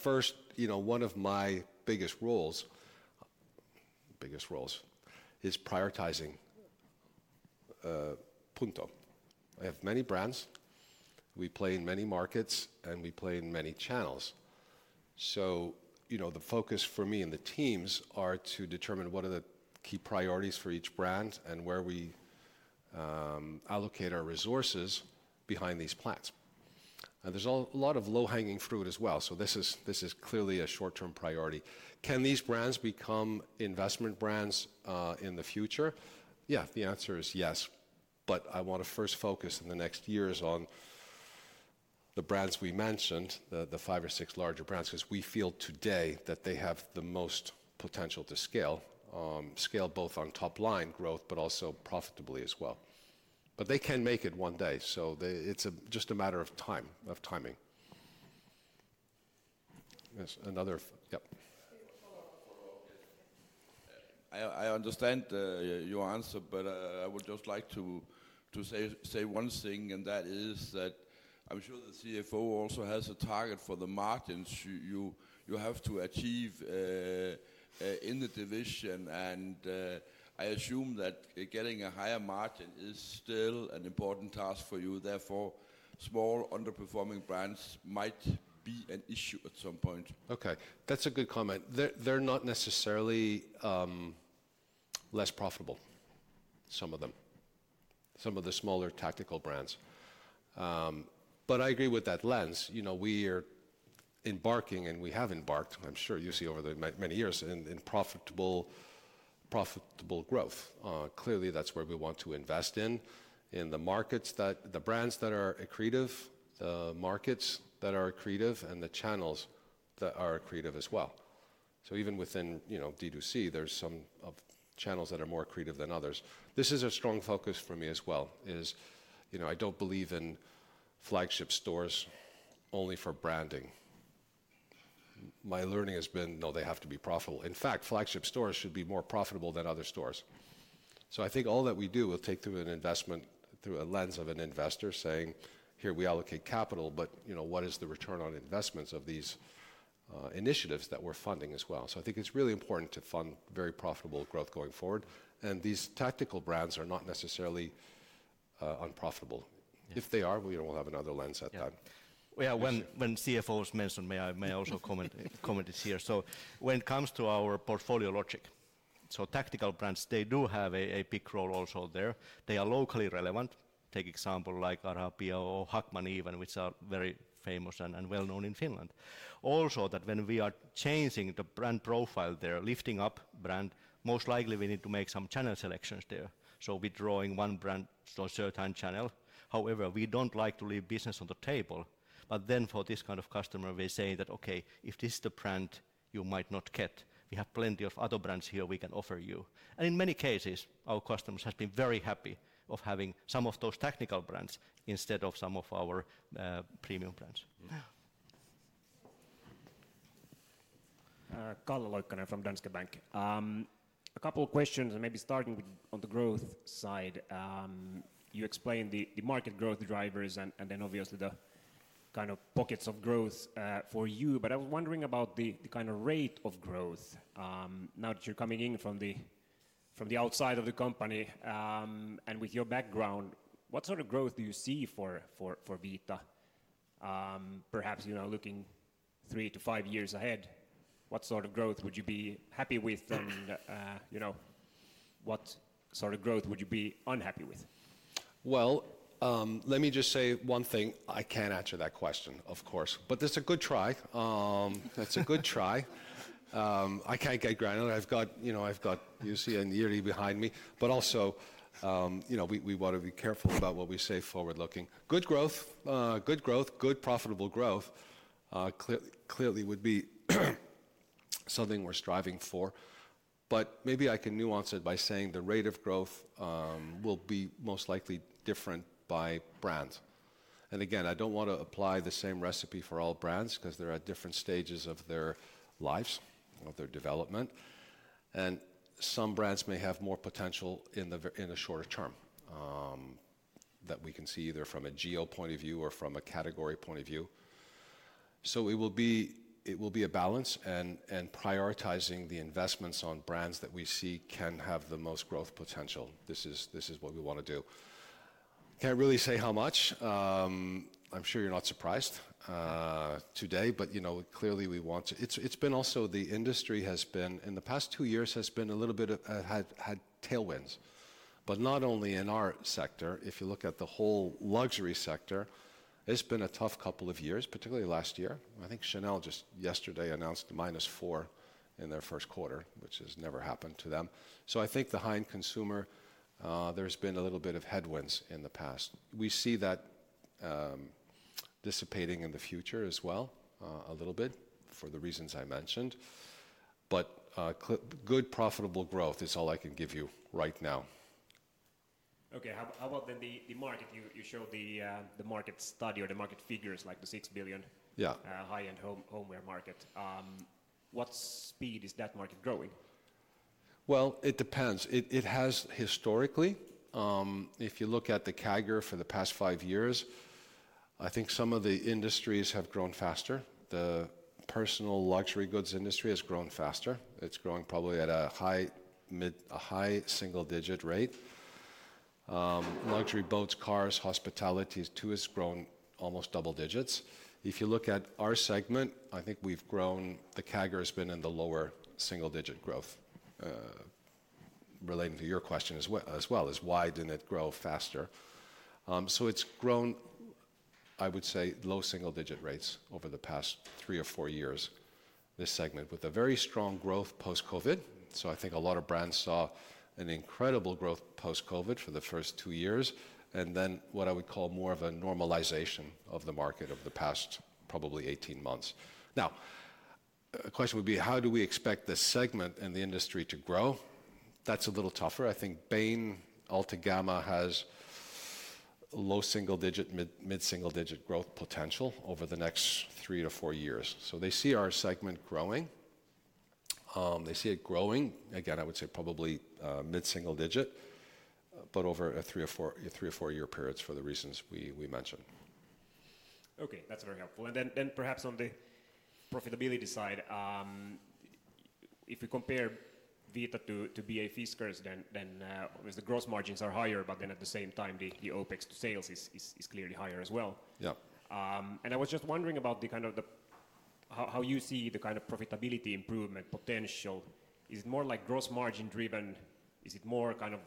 First, one of my biggest roles is prioritizing, period. I have many brands. We play in many markets, and we play in many channels. The focus for me and the teams are to determine what are the key priorities for each brand and where we allocate our resources behind these brands. There is a lot of low-hanging fruit as well. This is clearly a short-term priority. Can these brands become investment brands in the future? Yeah, the answer is yes. I want to first focus in the next years on the brands we mentioned, the five or six larger brands, because we feel today that they have the most potential to scale, scale both on top-line growth, but also profitably as well. They can make it one day. It is just a matter of timing. Yes, another, yep. I understand your answer, but I would just like to say one thing, and that is that I am sure the CFO also has a target for the margins you have to achieve in the division. I assume that getting a higher margin is still an important task for you. Therefore, small underperforming brands might be an issue at some point? Okay. That is a good comment. They are not necessarily less profitable, some of them, some of the smaller tactical brands. I agree with that lens. We are embarking, and we have embarked, I'm sure you see over the many years in profitable growth. Clearly, that's where we want to invest in, in the markets, the brands that are accretive, the markets that are accretive, and the channels that are accretive as well. Even within D2C, there's some channels that are more accretive than others. This is a strong focus for me as well, is I don't believe in flagship stores only for branding. My learning has been, no, they have to be profitable. In fact, flagship stores should be more profitable than other stores. I think all that we do will take through an investment through a lens of an investor saying, "Here, we allocate capital, but what is the return on investments of these initiatives that we're funding as well?" I think it's really important to fund very profitable growth going forward. These tactical brands are not necessarily unprofitable. If they are, we will have another lens at that. Yeah. When CFOs mentioned, may I also comment here. When it comes to our portfolio logic, tactical brands, they do have a big role also there. They are locally relevant. Take example like Arabia or Hackman even, which are very famous and well-known in Finland. Also that when we are changing the brand profile there, lifting up brand, most likely we need to make some channel selections there. Withdrawing one brand to a certain channel. However, we don't like to leave business on the table. For this kind of customer, we're saying that, "Okay, if this is the brand you might not get, we have plenty of other brands here we can offer you." In many cases, our customers have been very happy of having some of those tactical brands instead of some of our premium brands. Calle Loikkanen from Danske Bank. A couple of questions, and maybe starting on the growth side. You explained the market growth drivers and then obviously the kind of pockets of growth for you. I was wondering about the kind of rate of growth now that you're coming in from the outside of the company. With your background, what sort of growth do you see for Vita? Perhaps looking three to five years ahead, what sort of growth would you be happy with? What sort of growth would you be unhappy with? Let me just say one thing. I can't answer that question, of course. That is a good try. That is a good try. I can't get grounded. I've got, you see, an Jyri behind me. Also, we want to be careful about what we say forward-looking. Good growth, good profitable growth clearly would be something we're striving for. Maybe I can nuance it by saying the rate of growth will be most likely different by brand. Again, I don't want to apply the same recipe for all brands because they're at different stages of their lives, of their development. Some brands may have more potential in the shorter term that we can see either from a geo point of view or from a category point of view. It will be a balance and prioritizing the investments on brands that we see can have the most growth potential. This is what we want to do. Can't really say how much. I'm sure you're not surprised today, but clearly we want to. It's been also the industry has been in the past two years has been a little bit had tailwinds. Not only in our sector. If you look at the whole luxury sector, it's been a tough couple of years, particularly last year. I think Chanel just yesterday announced -4% in their first quarter, which has never happened to them. I think the high-end consumer, there's been a little bit of headwinds in the past. We see that dissipating in the future as well a little bit for the reasons I mentioned. Good profitable growth is all I can give you right now. Okay. How about then the market? You show the market study or the market figures like the $6 billion high-end homeware market. What speed is that market growing? It depends. It has historically. If you look at the CAGR for the past five years, I think some of the industries have grown faster. The personal luxury goods industry has grown faster. It's growing probably at a high single-digit rate. Luxury boats, cars, hospitality too has grown almost double digits. If you look at our segment, I think we've grown, the CAGR has been in the lower single-digit growth relating to your question as well. Why didn't it grow faster? It's grown, I would say, low single-digit rates over the past three or four years, this segment with a very strong growth post-COVID. I think a lot of brands saw an incredible growth post-COVID for the first two years. What I would call more of a normalization of the market over the past probably 18 months. Now, the question would be, how do we expect the segment and the industry to grow? That's a little tougher. I think Bain, Alta Gamma has low single-digit, mid-single-digit growth potential over the next three to four years. They see our segment growing. They see it growing. Again, I would say probably mid-single digit, but over a three or four-year period for the reasons we mentioned. Okay. That's very helpful. Then perhaps on the profitability side, if we compare Vita to BA Fiskars, obviously the gross margins are higher, but at the same time, the OPEX to sales is clearly higher as well. I was just wondering about the kind of how you see the kind of profitability improvement potential. Is it more like gross margin driven? Is it more kind of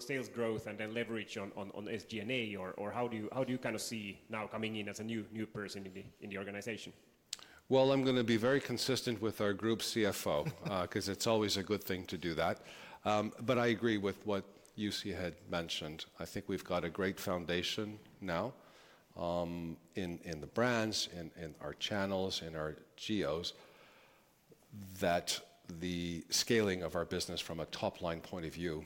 sales growth and then leverage on SG&A? How do you kind of see now coming in as a new person in the organization? I'm going to be very consistent with our Group CFO because it's always a good thing to do that. I agree with what you had mentioned. I think we've got a great foundation now in the brands, in our channels, in our geos that the scaling of our business from a top-line point of view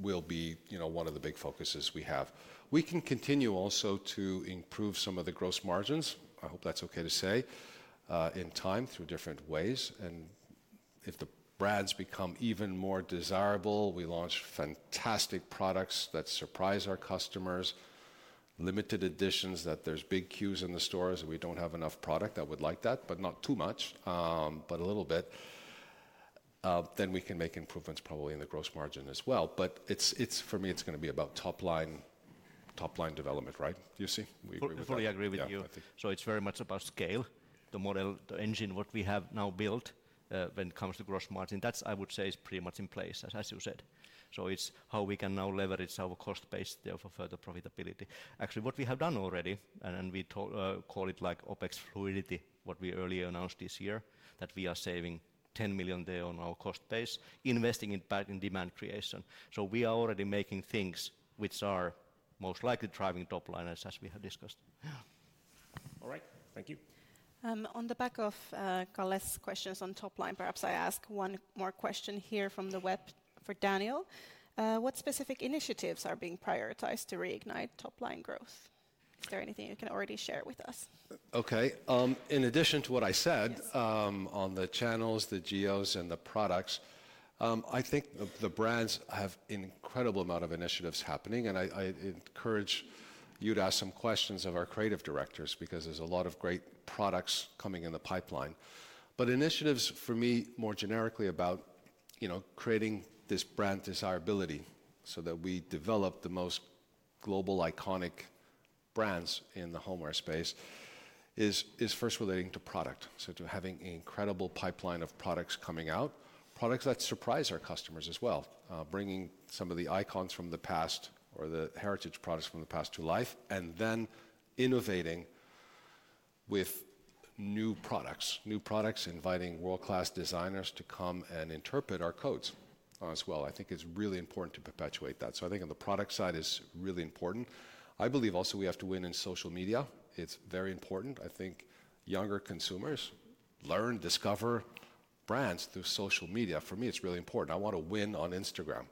will be one of the big focuses we have. We can continue also to improve some of the gross margins. I hope that's okay to say in time through different ways. If the brands become even more desirable, we launch fantastic products that surprise our customers, limited editions that there's big queues in the stores and we do not have enough product. I would like that, but not too much, but a little bit. We can make improvements probably in the gross margin as well. For me, it is going to be about top-line development, right? You see? We totally agree with you. It is very much about scale, the model, the engine, what we have now built when it comes to gross margin. That, I would say, is pretty much in place, as you said. It is how we can now leverage our cost base there for further profitability. Actually, what we have done already, and we call it like OPEX fluidity, what we earlier announced this year, that we are saving 10 million there on our cost base, investing in demand creation. We are already making things which are most likely driving top-line as we have discussed. All right. Thank you. On the back of Calle's questions on top-line, perhaps I ask one more question here from the web for Daniel. What specific initiatives are being prioritized to reignite top-line growth? Is there anything you can already share with us? Okay. In addition to what I said on the channels, the geos, and the products, I think the brands have an incredible amount of initiatives happening. I encourage you to ask some questions of our creative directors because there is a lot of great products coming in the pipeline. Initiatives for me more generically about creating this brand desirability so that we develop the most global iconic brands in the homeware space is first relating to product. To having an incredible pipeline of products coming out, products that surprise our customers as well, bringing some of the icons from the past or the heritage products from the past to life, and then innovating with new products, new products inviting world-class designers to come and interpret our codes as well. I think it's really important to perpetuate that. I think on the product side is really important. I believe also we have to win in social media. It's very important. I think younger consumers learn, discover brands through social media. For me, it's really important. I want to win on Instagram.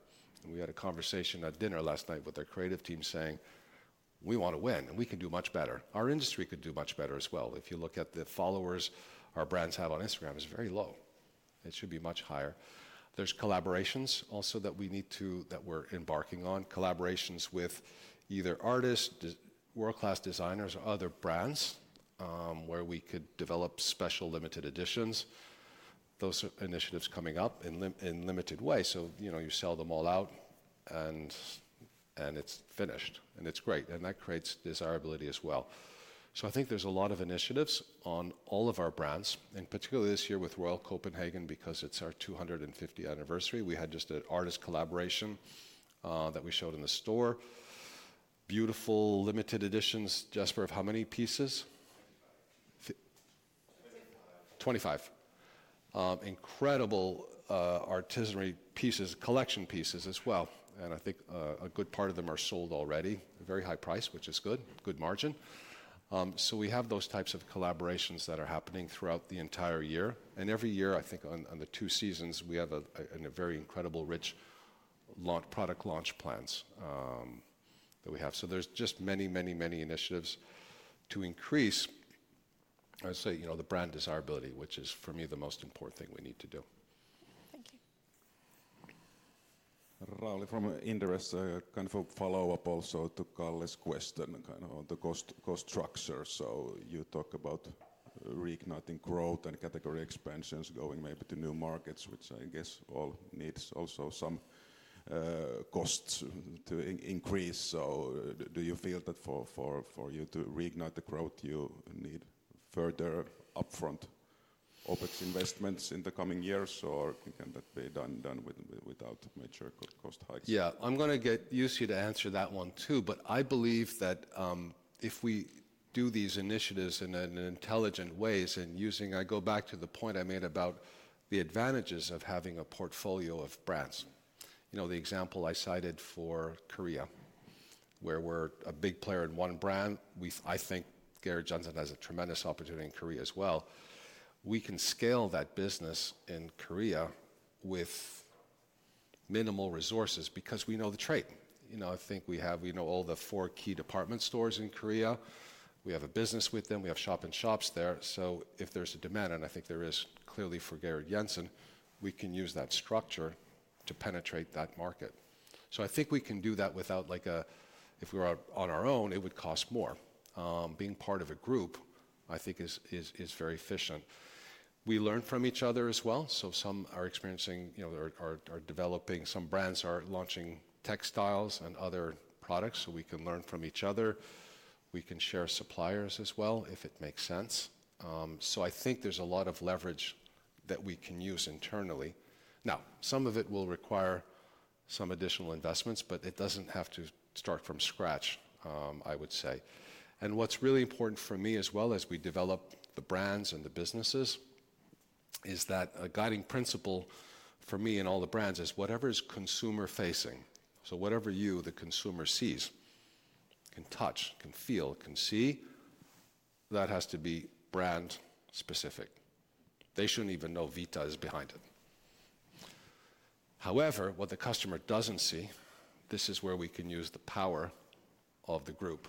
We had a conversation at dinner last night with our creative team saying, "We want to win. We can do much better. Our industry could do much better as well." If you look at the followers our brands have on Instagram, it's very low. It should be much higher. There's collaborations also that we need to that we're embarking on, collaborations with either artists, world-class designers, or other brands where we could develop special limited editions. Those initiatives coming up in limited way. You sell them all out and it's finished and it's great. That creates desirability as well. I think there's a lot of initiatives on all of our brands, and particularly this year with Royal Copenhagen because it's our 250th anniversary. We had just an artist collaboration that we showed in the store. Beautiful limited editions, Jasper, of how many pieces? 25. Incredible artisan pieces, collection pieces as well. I think a good part of them are sold already, very high price, which is good, good margin. We have those types of collaborations that are happening throughout the entire year. Every year, I think on the two seasons, we have a very incredible rich product launch plans that we have. There are just many, many, many initiatives to increase, I would say, the brand desirability, which is for me the most important thing we need to do. Thank you. From interest, a kind of a follow-up also to Calle's question kind of on the cost structure. You talk about reigniting growth and category expansions going maybe to new markets, which I guess all needs also some costs to increase. Do you feel that for you to reignite the growth, you need further upfront OPEX investments in the coming years? Or can that be done without major cost hikes? Yeah. I'm going to get you to answer that one too. I believe that if we do these initiatives in an intelligent way and using, I go back to the point I made about the advantages of having a portfolio of brands. The example I cited for Korea, where we're a big player in one brand, I think Georg Jensen has a tremendous opportunity in Korea as well. We can scale that business in Korea with minimal resources because we know the trade. I think we have all the four key department stores in Korea. We have a business with them. We have shop and shops there. If there is a demand, and I think there is clearly for Georg Jensen, we can use that structure to penetrate that market. I think we can do that without, if we were on our own, it would cost more. Being part of a group, I think, is very efficient. We learn from each other as well. Some are experiencing or developing, some brands are launching textiles and other products. We can learn from each other. We can share suppliers as well if it makes sense. I think there is a lot of leverage that we can use internally. Now, some of it will require some additional investments, but it does not have to start from scratch, I would say. What's really important for me as well as we develop the brands and the businesses is that a guiding principle for me and all the brands is whatever is consumer-facing. Whatever you, the consumer, see, can touch, can feel, can see, that has to be brand-specific. They should not even know Vita is behind it. However, what the customer does not see, this is where we can use the power of the group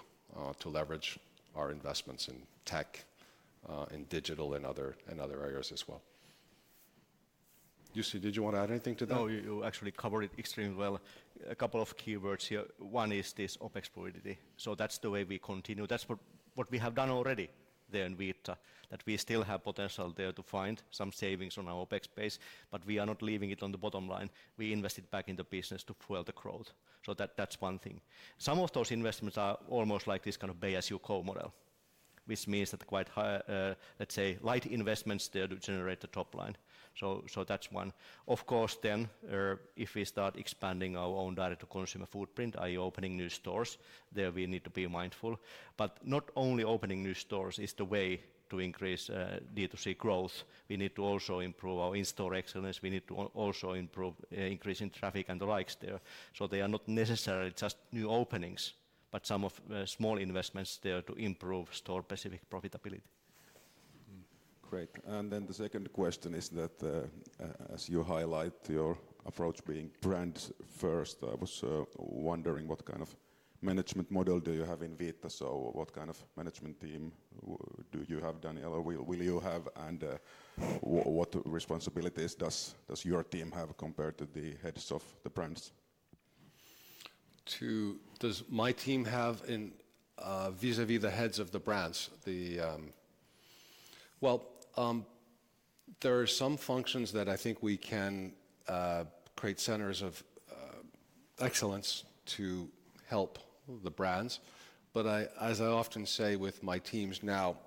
to leverage our investments in tech, in digital, and other areas as well. Jussi, did you want to add anything to that? No, you actually covered it extremely well. A couple of keywords here. One is this OPEX fluidity. That is the way we continue. That is what we have done already there in Vita, that we still have potential there to find some savings on our OPEX base. We are not leaving it on the bottom line. We invest it back in the business to fuel the growth. That is one thing. Some of those investments are almost like this kind of BASU co-model, which means that quite, let's say, light investments there to generate the top line. That is one. Of course, if we start expanding our own direct-to-consumer footprint, i.e., opening new stores, we need to be mindful. Not only opening new stores is the way to increase D2C growth. We need to also improve our in-store excellence. We need to also improve increasing traffic and the likes there. They are not necessarily just new openings, but some small investments there to improve store-specific profitability. Great. The second question is that, as you highlight your approach being brand-first, I was wondering what kind of management model do you have in Vita? What kind of management team do you have, Daniel? Or will you have? And what responsibilities does your team have compared to the heads of the brands? Does my team have vis-à-vis the heads of the brands? There are some functions that I think we can create centers of excellence to help the brands. As I often say with my teams now,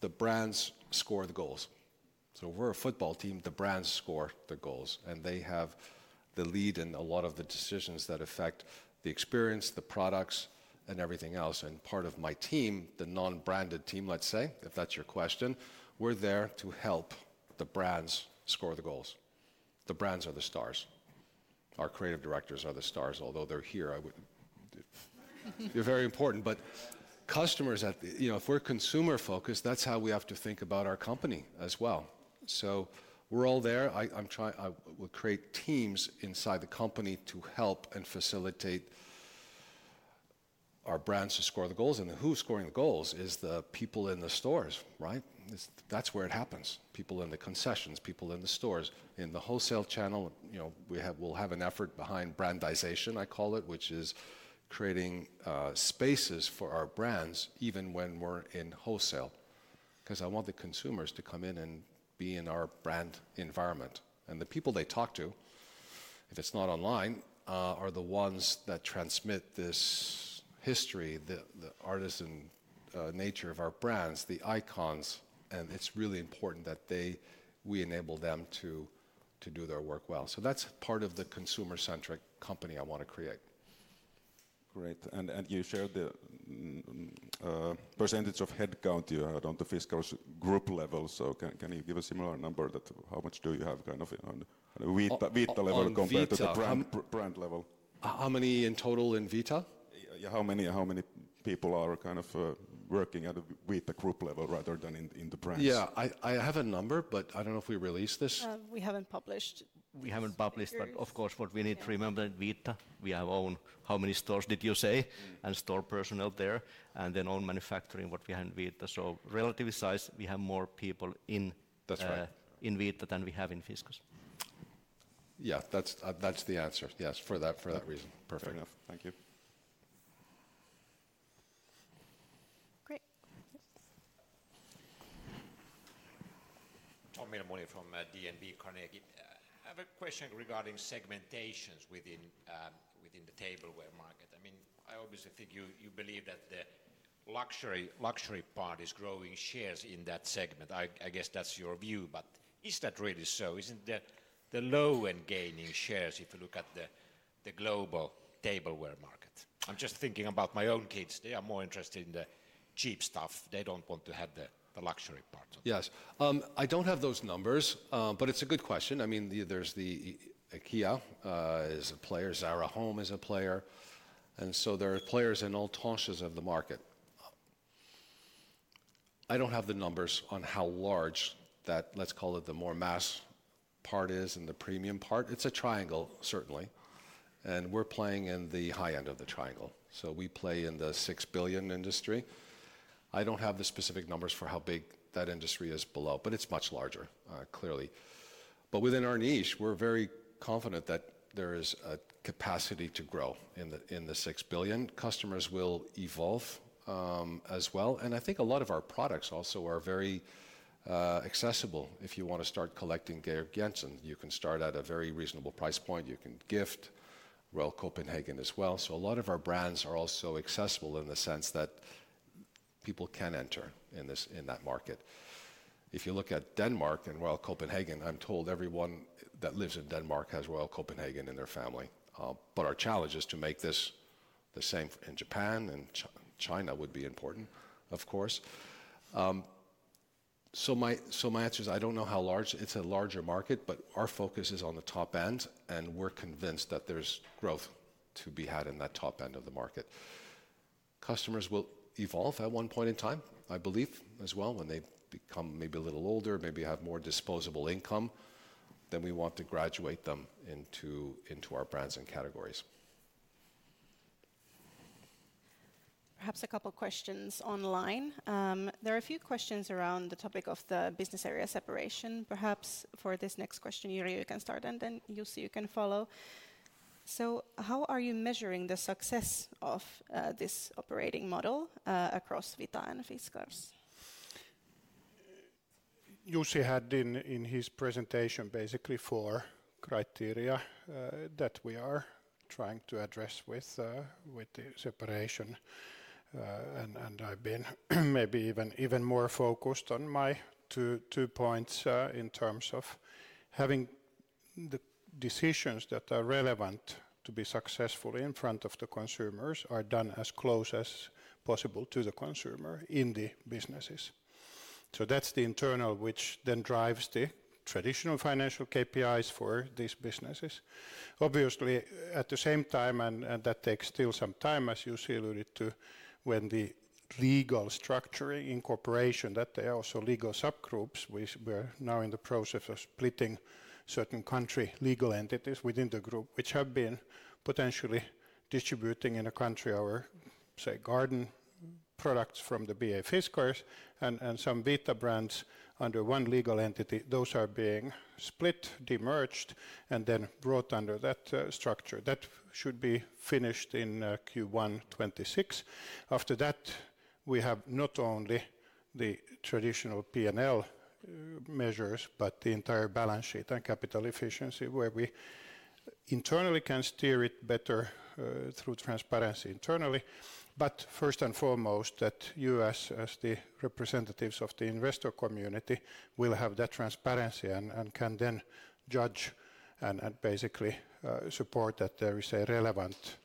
the brands score the goals. We're a football team. The brands score the goals. They have the lead in a lot of the decisions that affect the experience, the products, and everything else. Part of my team, the non-branded team, let's say, if that's your question, we're there to help the brands score the goals. The brands are the stars. Our creative directors are the stars. Although they're here, they're very important. But customers, if we're consumer-focused, that's how we have to think about our company as well. We're all there. I would create teams inside the company to help and facilitate our brands to score the goals. Who's scoring the goals is the people in the stores, right? That's where it happens. People in the concessions, people in the stores. In the wholesale channel, we'll have an effort behind brandization, I call it, which is creating spaces for our brands even when we're in wholesale because I want the consumers to come in and be in our brand environment. The people they talk to, if it's not online, are the ones that transmit this history, the artisan nature of our brands, the icons. It is really important that we enable them to do their work well. That is part of the consumer-centric company I want to create. Great. You shared the percentage of headcount on the Fiskars Group level. Can you give a similar number, how much do you have on Vita level compared to the brand level? How many in total in Vita? How many people are working at the Vita group level rather than in the brands? Yeah. I have a number, but I do not know if we released this. We have not published. We have not published. Of course, what we need to remember in Vita, we have own—how many stores did you say? And store personnel there. And then own manufacturing, what we have in Vita. Relative size, we have more people in Vita than we have in Fiskars. Yeah. That's the answer. Yes, for that reason. Perfect. Fair enough. Thank you. Great. Miller-Mooney from DNB Carnegie. I have a question regarding segmentations within the tableware market. I mean, I obviously think you believe that the luxury part is growing shares in that segment. I guess that's your view. Is that really so? Isn't the low-end gaining shares if you look at the global tableware market? I'm just thinking about my own kids. They are more interested in the cheap stuff. They don't want to have the luxury part. Yes. I don't have those numbers, but it's a good question. I mean, there's the IKEA as a player. Zara Home is a player. There are players in all tranches of the market. I don't have the numbers on how large that, let's call it the more mass part is and the premium part. It's a triangle, certainly. And we're playing in the high end of the triangle. We play in the 6 billion industry. I don't have the specific numbers for how big that industry is below, but it's much larger, clearly. Within our niche, we're very confident that there is a capacity to grow in the 6 billion. Customers will evolve as well. I think a lot of our products also are very accessible. If you want to start collecting Georg Jensen, you can start at a very reasonable price point. You can gift Royal Copenhagen as well. A lot of our brands are also accessible in the sense that people can enter in that market. If you look at Denmark and Royal Copenhagen, I'm told everyone that lives in Denmark has Royal Copenhagen in their family. Our challenge is to make this the same in Japan. China would be important, of course. My answer is I do not know how large it is as a larger market, but our focus is on the top end. We are convinced that there is growth to be had in that top end of the market. Customers will evolve at one point in time, I believe, as well. When they become maybe a little older, maybe have more disposable income, then we want to graduate them into our brands and categories. Perhaps a couple of questions online. There are a few questions around the topic of the business area separation. Perhaps for this next question, Jyri, you can start, and then Jussi, you can follow. How are you measuring the success of this operating model across Vita and Fiskars? Jussi had in his presentation basically four criteria that we are trying to address with the separation. I've been maybe even more focused on my two points in terms of having the decisions that are relevant to be successful in front of the consumers are done as close as possible to the consumer in the businesses. That's the internal which then drives the traditional financial KPIs for these businesses. Obviously, at the same time, and that takes still some time, as Jussi alluded to, when the legal structuring incorporation, that they are also legal subgroups, we are now in the process of splitting certain country legal entities within the group, which have been potentially distributing in a country our, say, garden products from the BA Fiskars and some Vita brands under one legal entity. Those are being split, demerged, and then brought under that structure. That should be finished in Q1 2026. After that, we have not only the traditional P&L measures, but the entire balance sheet and capital efficiency where we internally can steer it better through transparency internally. First and foremost, that you as the representatives of the investor community will have that transparency and can then judge and basically support that there is a relevant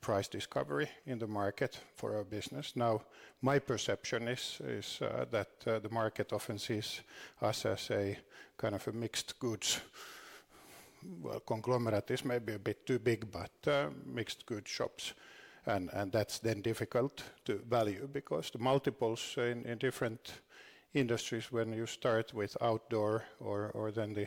price discovery in the market for our business. Now, my perception is that the market often sees us as a kind of a mixed goods conglomerate. It's maybe a bit too big, but mixed goods shops. That's then difficult to value because the multiples in different industries when you start with outdoor or the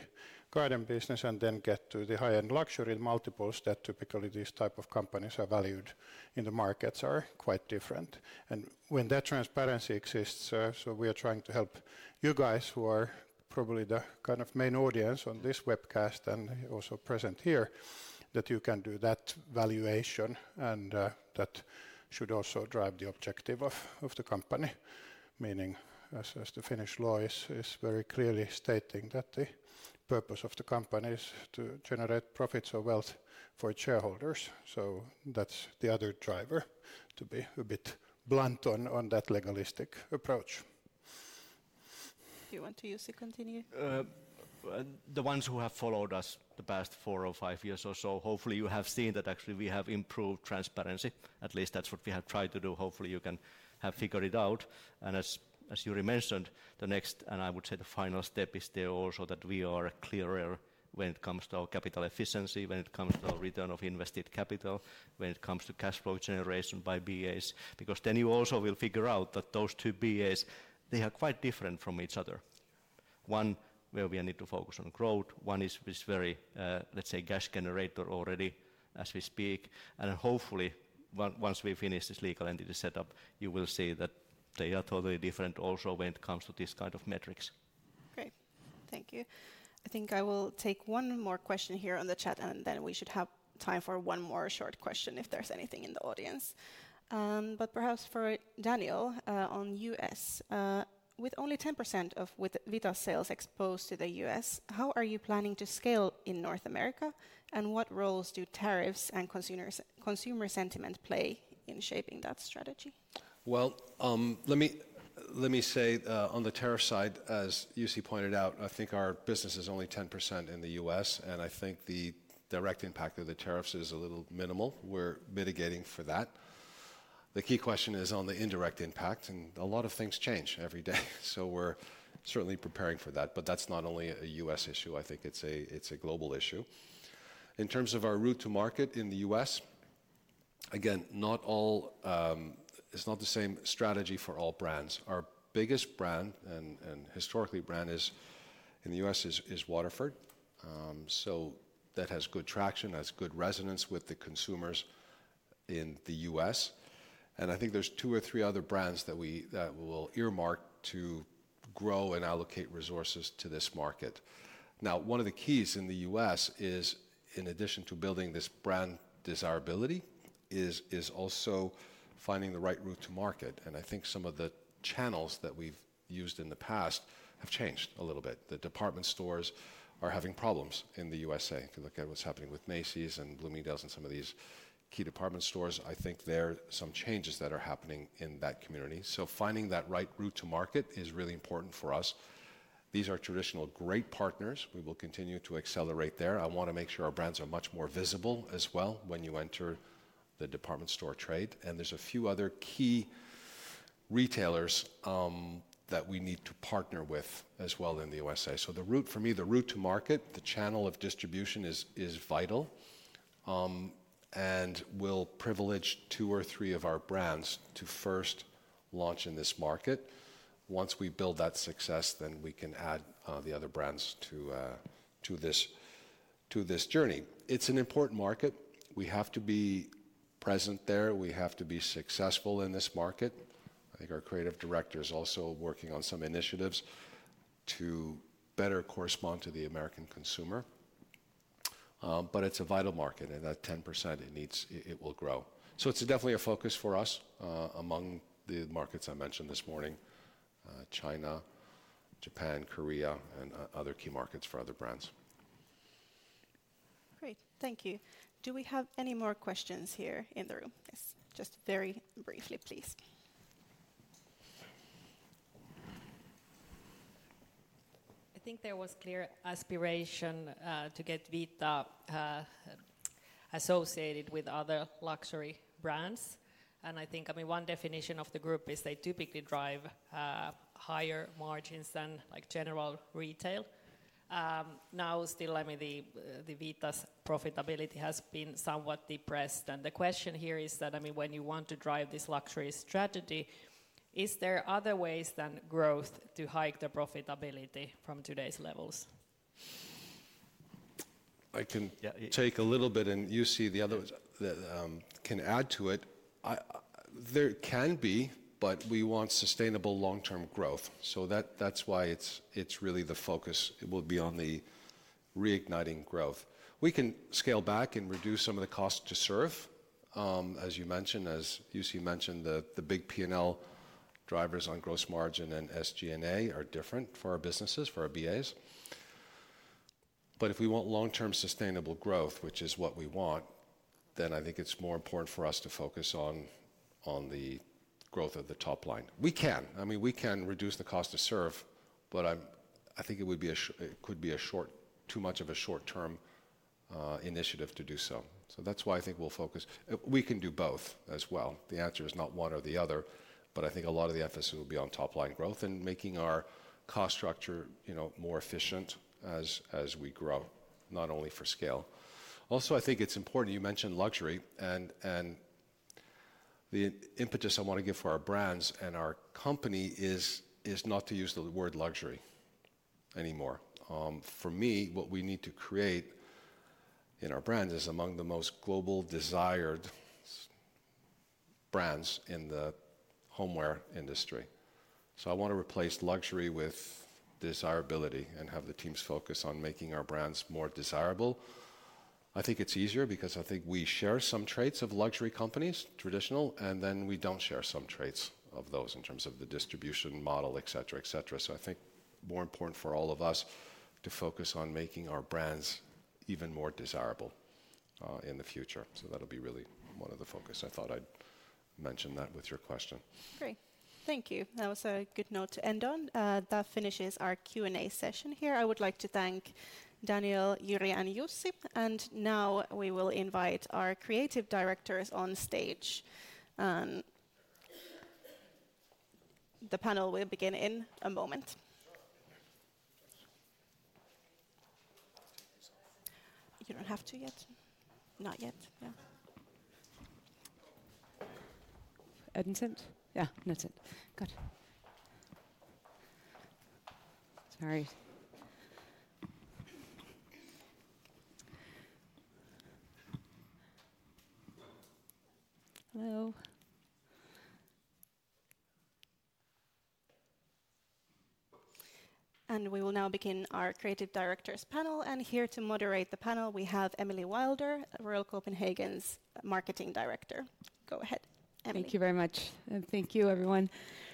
garden business and then get to the high-end luxury multiples, that typically these types of companies are valued in the markets are quite different. When that transparency exists, we are trying to help you guys who are probably the kind of main audience on this webcast and also present here, that you can do that valuation. That should also drive the objective of the company, meaning as the Finnish law is very clearly stating that the purpose of the company is to generate profits or wealth for its shareholders. That is the other driver to be a bit blunt on that legalistic approach. Do you want to continue? The ones who have followed us the past four or five years or so, hopefully you have seen that actually we have improved transparency. At least that is what we have tried to do. Hopefully you can have figured it out. As Jyri mentioned, the next, and I would say the final step is there also that we are clearer when it comes to our capital efficiency, when it comes to our return of invested capital, when it comes to cash flow generation by BAs. Because then you also will figure out that those two BAs, they are quite different from each other. One where we need to focus on growth. One is very, let's say, cash generator already as we speak. Hopefully once we finish this legal entity setup, you will see that they are totally different also when it comes to these kinds of metrics. Great. Thank you. I think I will take one more question here on the chat, and then we should have time for one more short question if there's anything in the audience. Perhaps for Daniel on U.S. With only 10% of Vita sales exposed to the U.S., how are you planning to scale in North America? And what roles do tariffs and consumer sentiment play in shaping that strategy? On the tariff side, as Jussi pointed out, I think our business is only 10% in the U.S. I think the direct impact of the tariffs is a little minimal. We are mitigating for that. The key question is on the indirect impact. A lot of things change every day. We are certainly preparing for that. That is not only a U.S. issue. I think it is a global issue. In terms of our route to market in the U.S., again, it is not the same strategy for all brands. Our biggest brand and historically brand in the U.S. is Waterford. That has good traction, has good resonance with the consumers in the U.S. I think there's two or three other brands that we will earmark to grow and allocate resources to this market. Now, one of the keys in the U.S. is, in addition to building this brand desirability, also finding the right route to market. I think some of the channels that we've used in the past have changed a little bit. The department stores are having problems in the U.S. If you look at what's happening with Macy's and Bloomingdale's and some of these key department stores, I think there are some changes that are happening in that community. Finding that right route to market is really important for us. These are traditional great partners. We will continue to accelerate there. I want to make sure our brands are much more visible as well when you enter the department store trade. There are a few other key retailers that we need to partner with as well in the U.S.A. For me, the route to market, the channel of distribution is vital. We will privilege two or three of our brands to first launch in this market. Once we build that success, we can add the other brands to this journey. It is an important market. We have to be present there. We have to be successful in this market. I think our creative director is also working on some initiatives to better correspond to the American consumer. It is a vital market. That 10% will grow. It's definitely a focus for us among the markets I mentioned this morning: China, Japan, Korea, and other key markets for other brands. Great. Thank you. Do we have any more questions here in the room? Just very briefly, please. I think there was clear aspiration to get Vita associated with other luxury brands. I think one definition of the group is they typically drive higher margins than general retail. Now still, Vita's profitability has been somewhat depressed. The question here is that when you want to drive this luxury strategy, are there other ways than growth to hike the profitability from today's levels? I can take a little bit, and Jussi can add to it. There can be, but we want sustainable long-term growth. That's why it's really the focus will be on the reigniting growth. We can scale back and reduce some of the cost to serve. As you mentioned, as Jussi mentioned, the big P&L drivers on gross margin and SG&A are different for our businesses, for our BAs. If we want long-term sustainable growth, which is what we want, then I think it's more important for us to focus on the growth of the top line. We can. I mean, we can reduce the cost to serve, but I think it could be too much of a short-term initiative to do so. That is why I think we'll focus. We can do both as well. The answer is not one or the other. I think a lot of the emphasis will be on top-line growth and making our cost structure more efficient as we grow, not only for scale. Also, I think it's important you mentioned luxury. The impetus I want to give for our brands and our company is not to use the word luxury anymore. For me, what we need to create in our brands is among the most global desired brands in the homeware industry. I want to replace luxury with desirability and have the teams focus on making our brands more desirable. I think it is easier because I think we share some traits of luxury companies, traditional, and then we do not share some traits of those in terms of the distribution model, etc., etc. I think it is more important for all of us to focus on making our brands even more desirable in the future. That will be really one of the focus. I thought I would mention that with your question. Great. Thank you. That was a good note to end on. That finishes our Q&A session here. I would like to thank Daniel, Jyri, and Jussi. Now we will invite our creative directors on stage. The panel will begin in a moment. You do not have to yet. Not yet. Yeah. Edmonton? Yeah, Edmonton. Good. Sorry. Hello. We will now begin our creative directors panel. Here to moderate the panel, we have Emily Wilder, Royal Copenhagen's Marketing Director. Go ahead, Emily. Thank you very much. Thank you, everyone,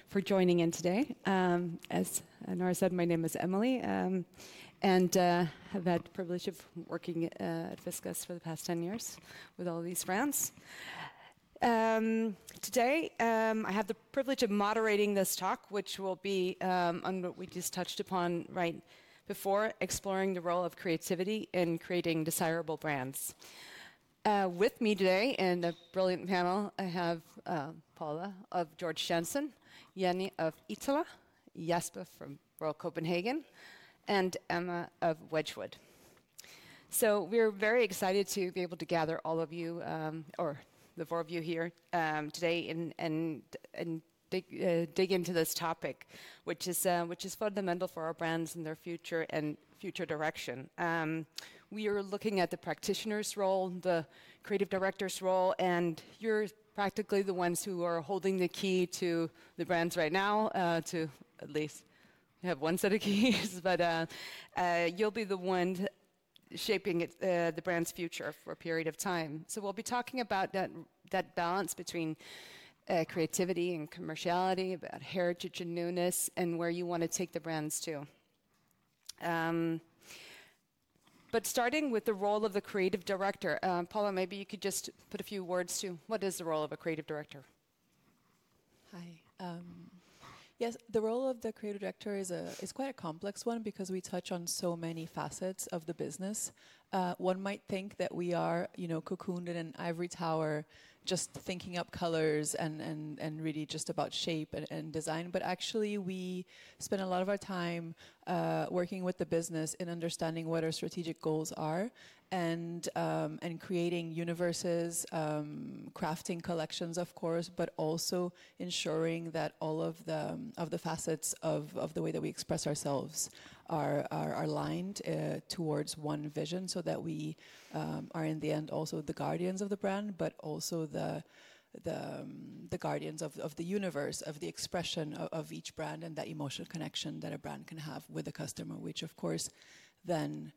for joining in today. As Noora said, my name is Emily. I have had the privilege of working at Fiskars for the past 10 years with all these brands. Today, I have the privilege of moderating this talk, which will be on what we just touched upon right before, exploring the role of creativity in creating desirable brands. With me today and a brilliant panel, I have Paula of Georg Jensen, Janni of Iittala, Jasper from Royal Copenhagen, and Emma of Wedgwood. We are very excited to be able to gather all of you or the four of you here today and dig into this topic, which is fundamental for our brands and their future and future direction. We are looking at the practitioner's role, the creative director's role. And you're practically the ones who are holding the key to the brands right now, to at least have one set of keys. But you'll be the one shaping the brand's future for a period of time. We will be talking about that balance between creativity and commerciality, about heritage and newness, and where you want to take the brands to. Starting with the role of the creative director, Paula, maybe you could just put a few words to what is the role of a creative director? Hi. Yes, the role of the creative director is quite a complex one because we touch on so many facets of the business. One might think that we are cocooned in an ivory tower just thinking up colors and really just about shape and design. Actually, we spend a lot of our time working with the business in understanding what our strategic goals are and creating universes, crafting collections, of course, but also ensuring that all of the facets of the way that we express ourselves are aligned towards one vision so that we are in the end also the guardians of the brand, but also the guardians of the universe, of the expression of each brand and that emotional connection that a brand can have with a customer, which of course then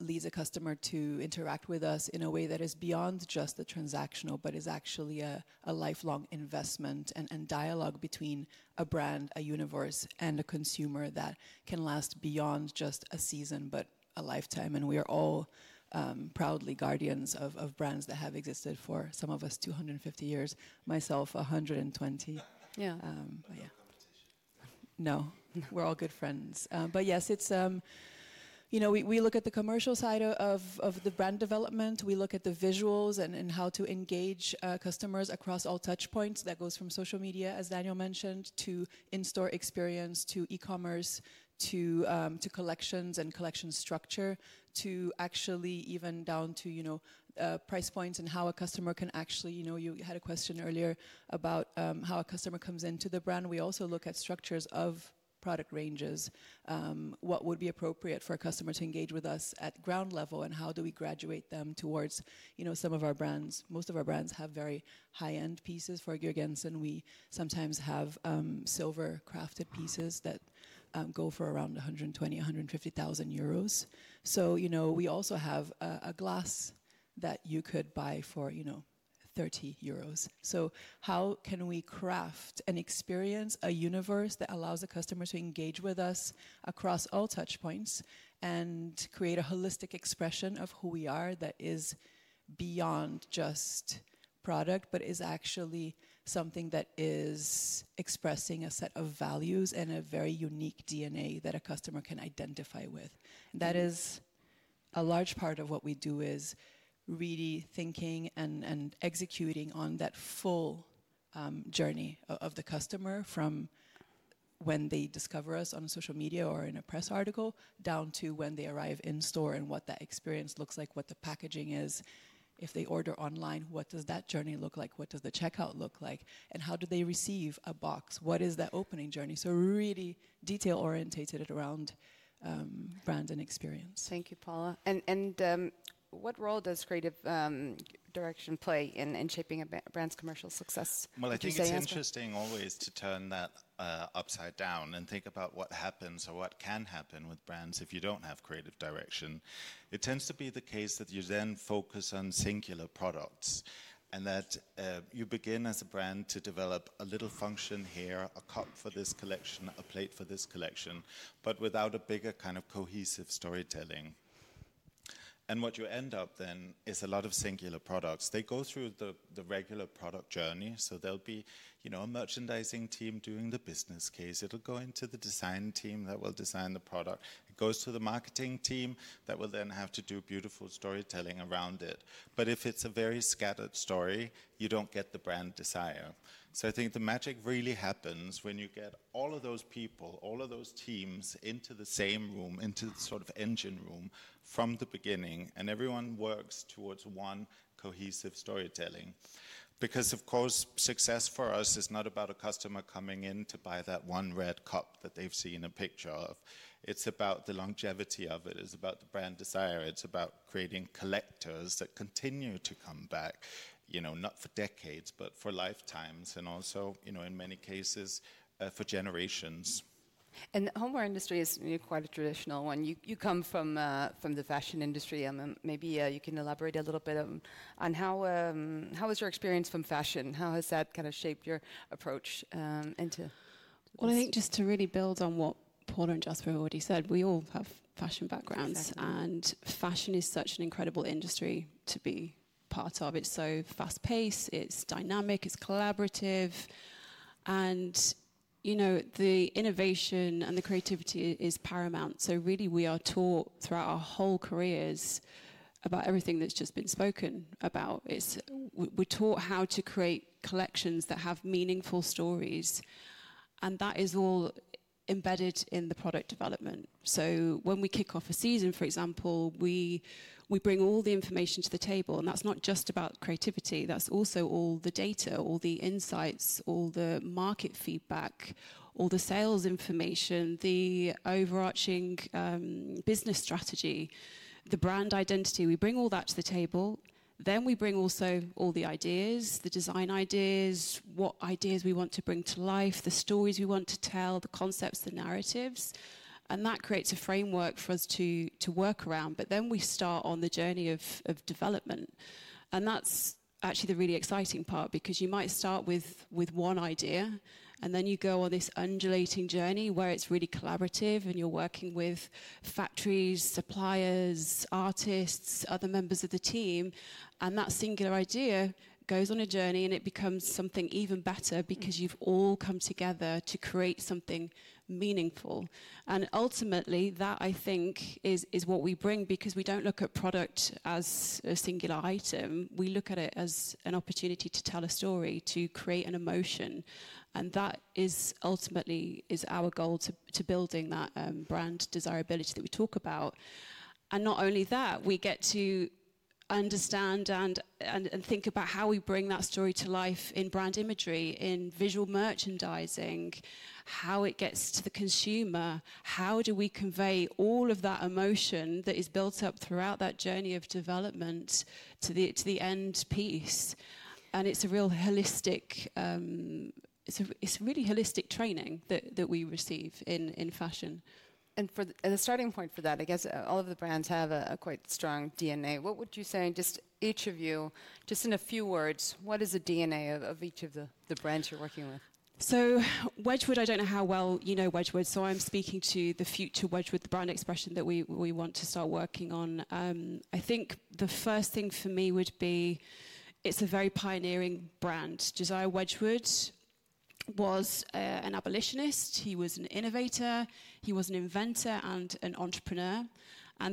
leads a customer to interact with us in a way that is beyond just the transactional, but is actually a lifelong investment and dialogue between a brand, a universe, and a consumer that can last beyond just a season, but a lifetime. We are all proudly guardians of brands that have existed for some of us 250 years, myself 120. Yeah. No. We're all good friends. Yes, we look at the commercial side of the brand development. We look at the visuals and how to engage customers across all touchpoints. That goes from social media, as Daniel mentioned, to in-store experience, to e-commerce, to collections and collection structure, to actually even down to price points and how a customer can actually—you had a question earlier about how a customer comes into the brand. We also look at structures of product ranges, what would be appropriate for a customer to engage with us at ground level, and how do we graduate them towards some of our brands. Most of our brands have very high-end pieces. For Georg Jensen, we sometimes have silver crafted pieces that go for around 120,000-150,000 euros. We also have a glass that you could buy for 30 euros. How can we craft and experience a universe that allows a customer to engage with us across all touchpoints and create a holistic expression of who we are that is beyond just product, but is actually something that is expressing a set of values and a very unique DNA that a customer can identify with? That is a large part of what we do, is really thinking and executing on that full journey of the customer from when they discover us on social media or in a press article down to when they arrive in store and what that experience looks like, what the packaging is. If they order online, what does that journey look like? What does the checkout look like? How do they receive a box? What is that opening journey? Really detail-orientated around brand and experience. Thank you, Paula. What role does creative direction play in shaping a brand's commercial success? I think it's interesting always to turn that upside down and think about what happens or what can happen with brands if you don't have creative direction. It tends to be the case that you then focus on singular products and that you begin as a brand to develop a little function here, a cup for this collection, a plate for this collection, but without a bigger kind of cohesive storytelling. What you end up then is a lot of singular products. They go through the regular product journey. There will be a merchandising team doing the business case. It will go into the design team that will design the product. It goes to the marketing team that will then have to do beautiful storytelling around it. If it's a very scattered story, you don't get the brand desire. I think the magic really happens when you get all of those people, all of those teams into the same room, into the sort of engine room from the beginning. Everyone works towards one cohesive storytelling. Of course, success for us is not about a customer coming in to buy that one red cup that they've seen a picture of. It's about the longevity of it. It's about the brand desire. It's about creating collectors that continue to come back, not for decades, but for lifetimes. Also, in many cases, for generations. The homeware industry is quite a traditional one. You come from the fashion industry. Maybe you can elaborate a little bit on how was your experience from fashion? How has that kind of shaped your approach into? I think just to really build on what Paula and Jasper already said, we all have fashion backgrounds. Fashion is such an incredible industry to be part of. It is so fast-paced. It is dynamic. It is collaborative. The innovation and the creativity is paramount. Really, we are taught throughout our whole careers about everything that has just been spoken about. We are taught how to create collections that have meaningful stories. That is all embedded in the product development. When we kick off a season, for example, we bring all the information to the table. That is not just about creativity. That is also all the data, all the insights, all the market feedback, all the sales information, the overarching business strategy, the brand identity. We bring all that to the table. We bring also all the ideas, the design ideas, what ideas we want to bring to life, the stories we want to tell, the concepts, the narratives. That creates a framework for us to work around. We start on the journey of development. That is actually the really exciting part because you might start with one idea, and then you go on this undulating journey where it is really collaborative and you are working with factories, suppliers, artists, other members of the team. That singular idea goes on a journey and it becomes something even better because you have all come together to create something meaningful. Ultimately, that, I think, is what we bring because we do not look at product as a singular item. We look at it as an opportunity to tell a story, to create an emotion. That is ultimately our goal to building that brand desirability that we talk about. Not only that, we get to understand and think about how we bring that story to life in brand imagery, in visual merchandising, how it gets to the consumer, how do we convey all of that emotion that is built up throughout that journey of development to the end piece. It is a really holistic training that we receive in fashion. The starting point for that, I guess all of the brands have a quite strong DNA. What would you say, just each of you, just in a few words, what is the DNA of each of the brands you are working with? Wedgwood, I do not know how well you know Wedgwood. I am speaking to the future Wedgwood brand expression that we want to start working on. I think the first thing for me would be it's a very pioneering brand. Josiah Wedgwood was an abolitionist. He was an innovator. He was an inventor and an entrepreneur.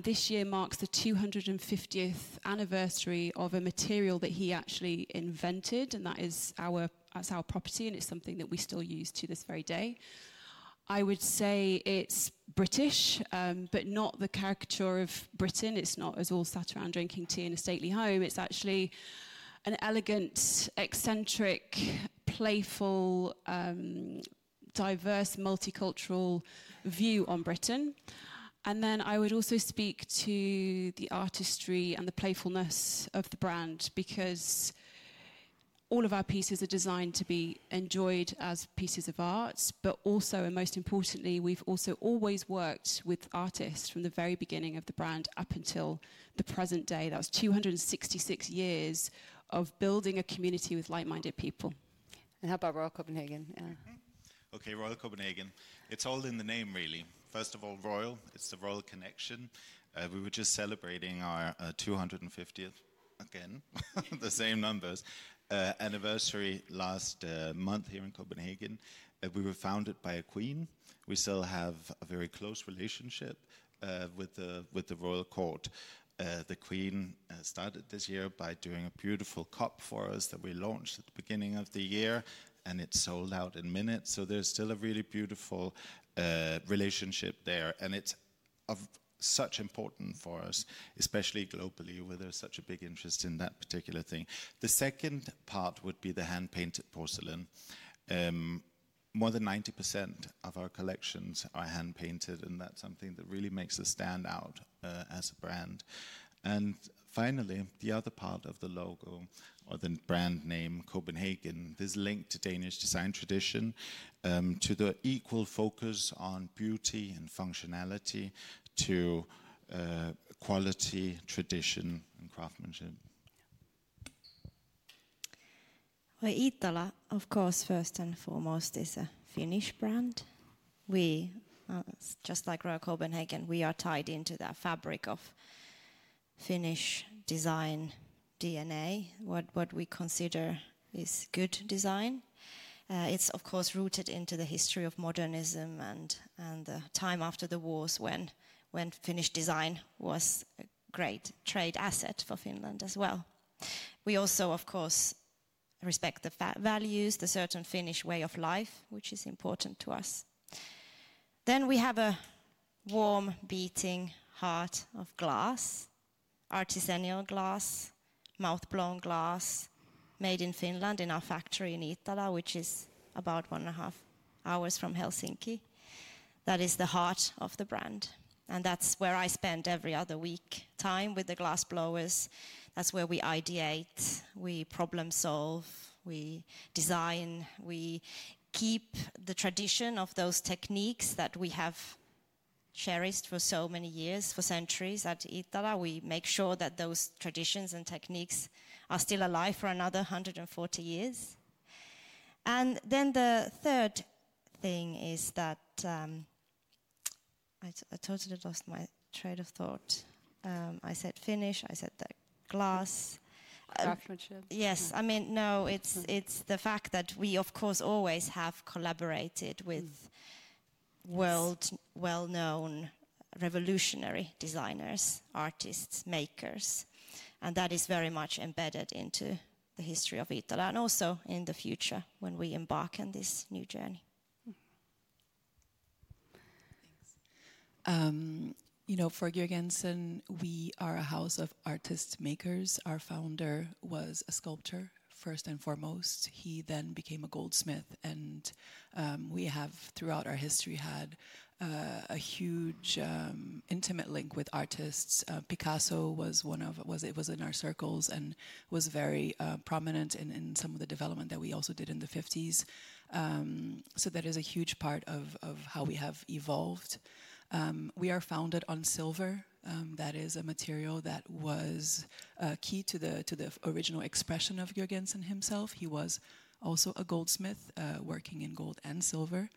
This year marks the 250th anniversary of a material that he actually invented. That's our property, and it's something that we still use to this very day. I would say it's British, but not the caricature of Britain. It's not us all sat around drinking tea in a stately home. It's actually an elegant, eccentric, playful, diverse, multicultural view on Britain. I would also speak to the artistry and the playfulness of the brand because all of our pieces are designed to be enjoyed as pieces of art, but also, and most importantly, we've also always worked with artists from the very beginning of the brand up until the present day. That was 266 years of building a community with like-minded people. And how about Royal Copenhagen? Yeah. Okay, Royal Copenhagen. It's all in the name, really. First of all, royal. It's the royal connection. We were just celebrating our 250th, again, the same numbers, anniversary last month here in Copenhagen. We were founded by a queen. We still have a very close relationship with the royal court. The queen started this year by doing a beautiful cup for us that we launched at the beginning of the year. It sold out in minutes. There's still a really beautiful relationship there. It's such important for us, especially globally, where there's such a big interest in that particular thing. The second part would be the hand-painted porcelain. More than 90% of our collections are hand-painted. That's something that really makes us stand out as a brand. Finally, the other part of the logo or the brand name, Copenhagen, this links to Danish design tradition, to the equal focus on beauty and functionality, to quality, tradition, and craftsmanship. Iittala, of course, first and foremost is a Finnish brand. Just like Royal Copenhagen, we are tied into that fabric of Finnish design DNA. What we consider is good design. It is, of course, rooted into the history of modernism and the time after the wars when Finnish design was a great trade asset for Finland as well. We also, of course, respect the values, the certain Finnish way of life, which is important to us. We have a warm, beating heart of glass, artisanal glass, mouth-blown glass, made in Finland in our factory in Iittala, which is about one and a half hours from Helsinki. That is the heart of the brand. That's where I spend every other week time with the glassblowers. That's where we ideate, we problem-solve, we design, we keep the tradition of those techniques that we have cherished for so many years, for centuries at Iittala. We make sure that those traditions and techniques are still alive for another 140 years. The third thing is that I totally lost my train of thought. I said Finnish. I said the glass. Craftsmanship. Yes. I mean, no, it's the fact that we, of course, always have collaborated with world-well-known revolutionary designers, artists, makers. That is very much embedded into the history of Iittala and also in the future when we embark on this new journey. For Georg Jensen, we are a house of artist makers. Our founder was a sculptor, first and foremost. He then became a goldsmith. We have, throughout our history, had a huge, intimate link with artists. Picasso was in our circles and was very prominent in some of the development that we also did in the 1950s. That is a huge part of how we have evolved. We are founded on silver. That is a material that was key to the original expression of Georg Jensen himself. He was also a goldsmith, working in gold and silver.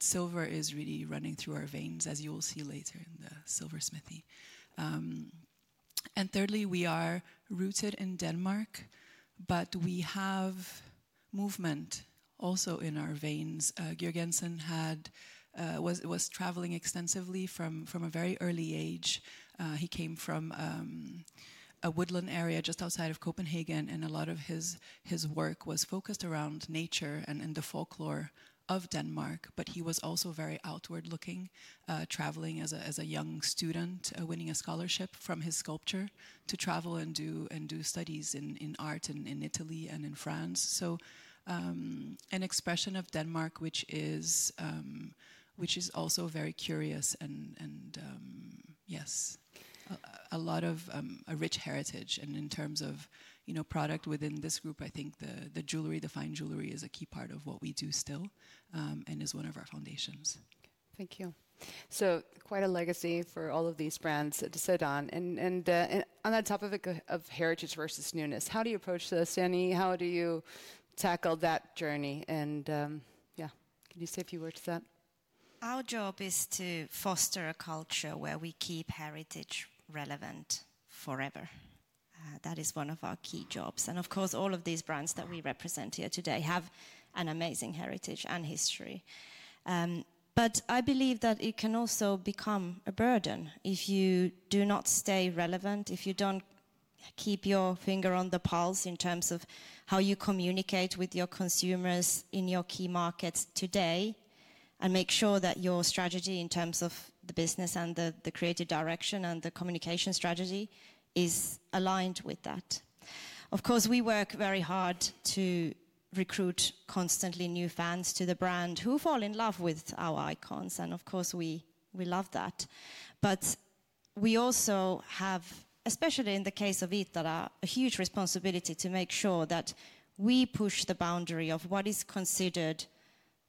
Silver is really running through our veins, as you will see later in the silversmithy. Thirdly, we are rooted in Denmark, but we have movement also in our veins. Georg Jensen was traveling extensively from a very early age. He came from a woodland area just outside of Copenhagen. A lot of his work was focused around nature and the folklore of Denmark. He was also very outward-looking, traveling as a young student, winning a scholarship from his sculpture to travel and do studies in art in Italy and in France. An expression of Denmark, which is also very curious and, yes, a lot of a rich heritage. In terms of product within this group, I think the jewelry, the fine jewelry, is a key part of what we do still and is one of our foundations. Thank you. Quite a legacy for all of these brands to sit on. On that topic of heritage versus newness, how do you approach this, Janni? How do you tackle that journey? Yeah, can you say a few words to that? Our job is to foster a culture where we keep heritage relevant forever. That is one of our key jobs. Of course, all of these brands that we represent here today have an amazing heritage and history. I believe that it can also become a burden if you do not stay relevant, if you do not keep your finger on the pulse in terms of how you communicate with your consumers in your key markets today and make sure that your strategy in terms of the business and the creative direction and the communication strategy is aligned with that. Of course, we work very hard to recruit constantly new fans to the brand who fall in love with our icons. We love that. We also have, especially in the case of Iittala, a huge responsibility to make sure that we push the boundary of what is considered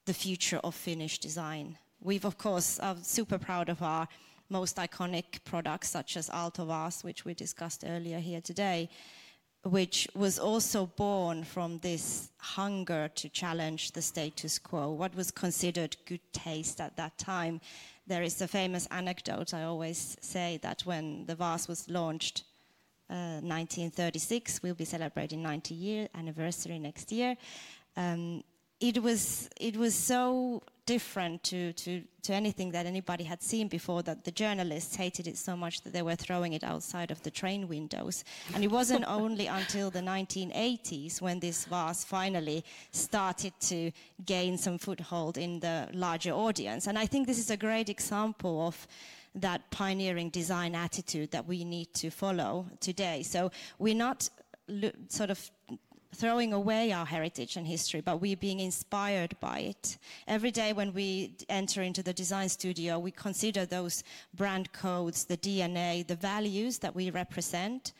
the future of Finnish design. We've, of course, are super proud of our most iconic products, such as Aalto Vase, which we discussed earlier here today, which was also born from this hunger to challenge the status quo, what was considered good taste at that time. There is a famous anecdote. I always say that when the vase was launched in 1936, we'll be celebrating 90-year anniversary next year. It was so different to anything that anybody had seen before that the journalists hated it so much that they were throwing it outside of the train windows. It wasn't only until the 1980s when this vase finally started to gain some foothold in the larger audience. I think this is a great example of that pioneering design attitude that we need to follow today. We're not sort of throwing away our heritage and history, but we're being inspired by it. Every day when we enter into the design studio, we consider those brand codes, the DNA, the values that we represent,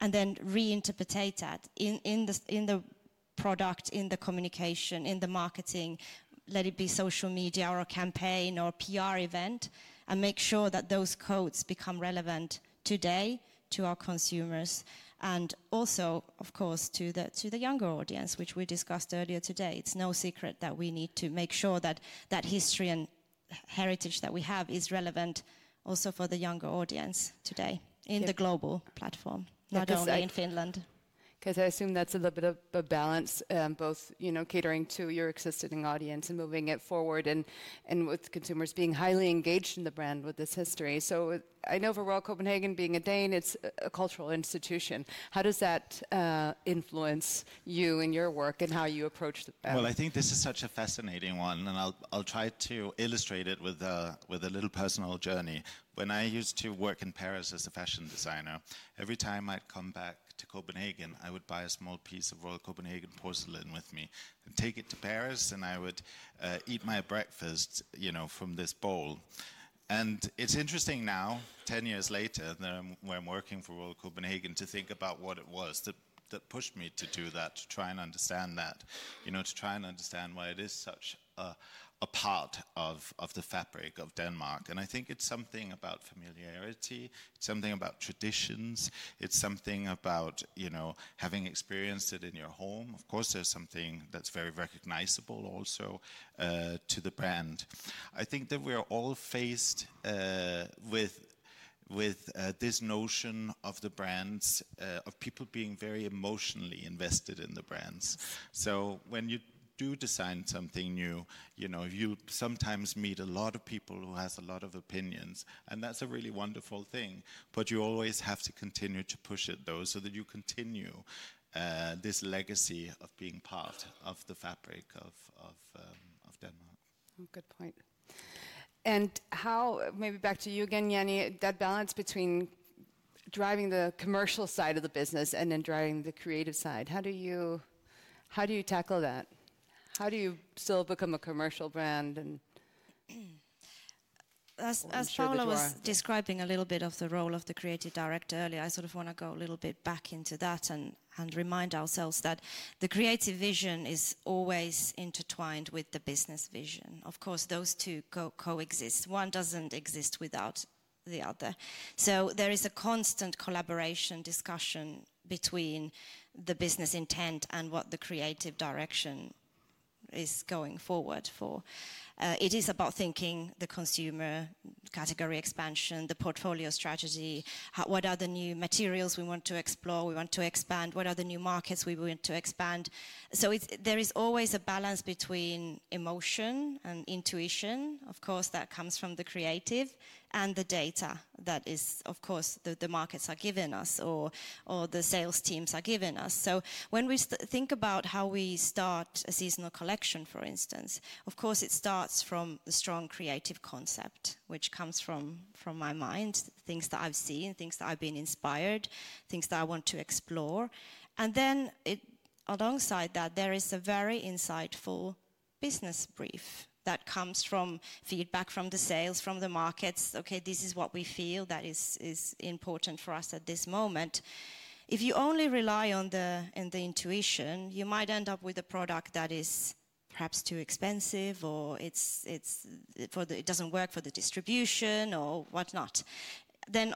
and then reinterpret that in the product, in the communication, in the marketing, let it be social media or a campaign or a PR event, and make sure that those codes become relevant today to our consumers. Also, of course, to the younger audience, which we discussed earlier today. It's no secret that we need to make sure that history and heritage that we have is relevant also for the younger audience today in the global platform, not only in Finland. I assume that's a little bit of a balance, both catering to your existing audience and moving it forward and with consumers being highly engaged in the brand with this history. I know for Royal Copenhagen, being a Dane, it's a cultural institution. How does that influence you and your work and how you approach the brand? I think this is such a fascinating one. I'll try to illustrate it with a little personal journey. When I used to work in Paris as a fashion designer, every time I'd come back to Copenhagen, I would buy a small piece of Royal Copenhagen porcelain with me and take it to Paris. I would eat my breakfast from this bowl. It's interesting now, 10 years later, when I'm working for Royal Copenhagen, to think about what it was that pushed me to do that, to try and understand that, to try and understand why it is such a part of the fabric of Denmark. I think it's something about familiarity. It's something about traditions. It's something about having experienced it in your home. Of course, there's something that's very recognizable also to the brand. I think that we are all faced with this notion of the brands, of people being very emotionally invested in the brands. When you do design something new, you sometimes meet a lot of people who have a lot of opinions. That's a really wonderful thing. You always have to continue to push it, though, so that you continue this legacy of being part of the fabric of Denmark. Good point. Maybe back to you again, Janni, that balance between driving the commercial side of the business and then driving the creative side. How do you tackle that? How do you still become a commercial brand and solve the problem? As Paula was describing a little bit of the role of the creative director earlier, I sort of want to go a little bit back into that and remind ourselves that the creative vision is always intertwined with the business vision. Of course, those two coexist. One does not exist without the other. There is a constant collaboration discussion between the business intent and what the creative direction is going forward for. It is about thinking the consumer, category expansion, the portfolio strategy. What are the new materials we want to explore? We want to expand. What are the new markets we want to expand? There is always a balance between emotion and intuition. Of course, that comes from the creative and the data that is, of course, the markets are giving us or the sales teams are giving us. When we think about how we start a seasonal collection, for instance, of course, it starts from the strong creative concept, which comes from my mind, things that I've seen, things that I've been inspired, things that I want to explore. Alongside that, there is a very insightful business brief that comes from feedback from the sales, from the markets. Okay, this is what we feel that is important for us at this moment. If you only rely on the intuition, you might end up with a product that is perhaps too expensive or it does not work for the distribution or whatnot.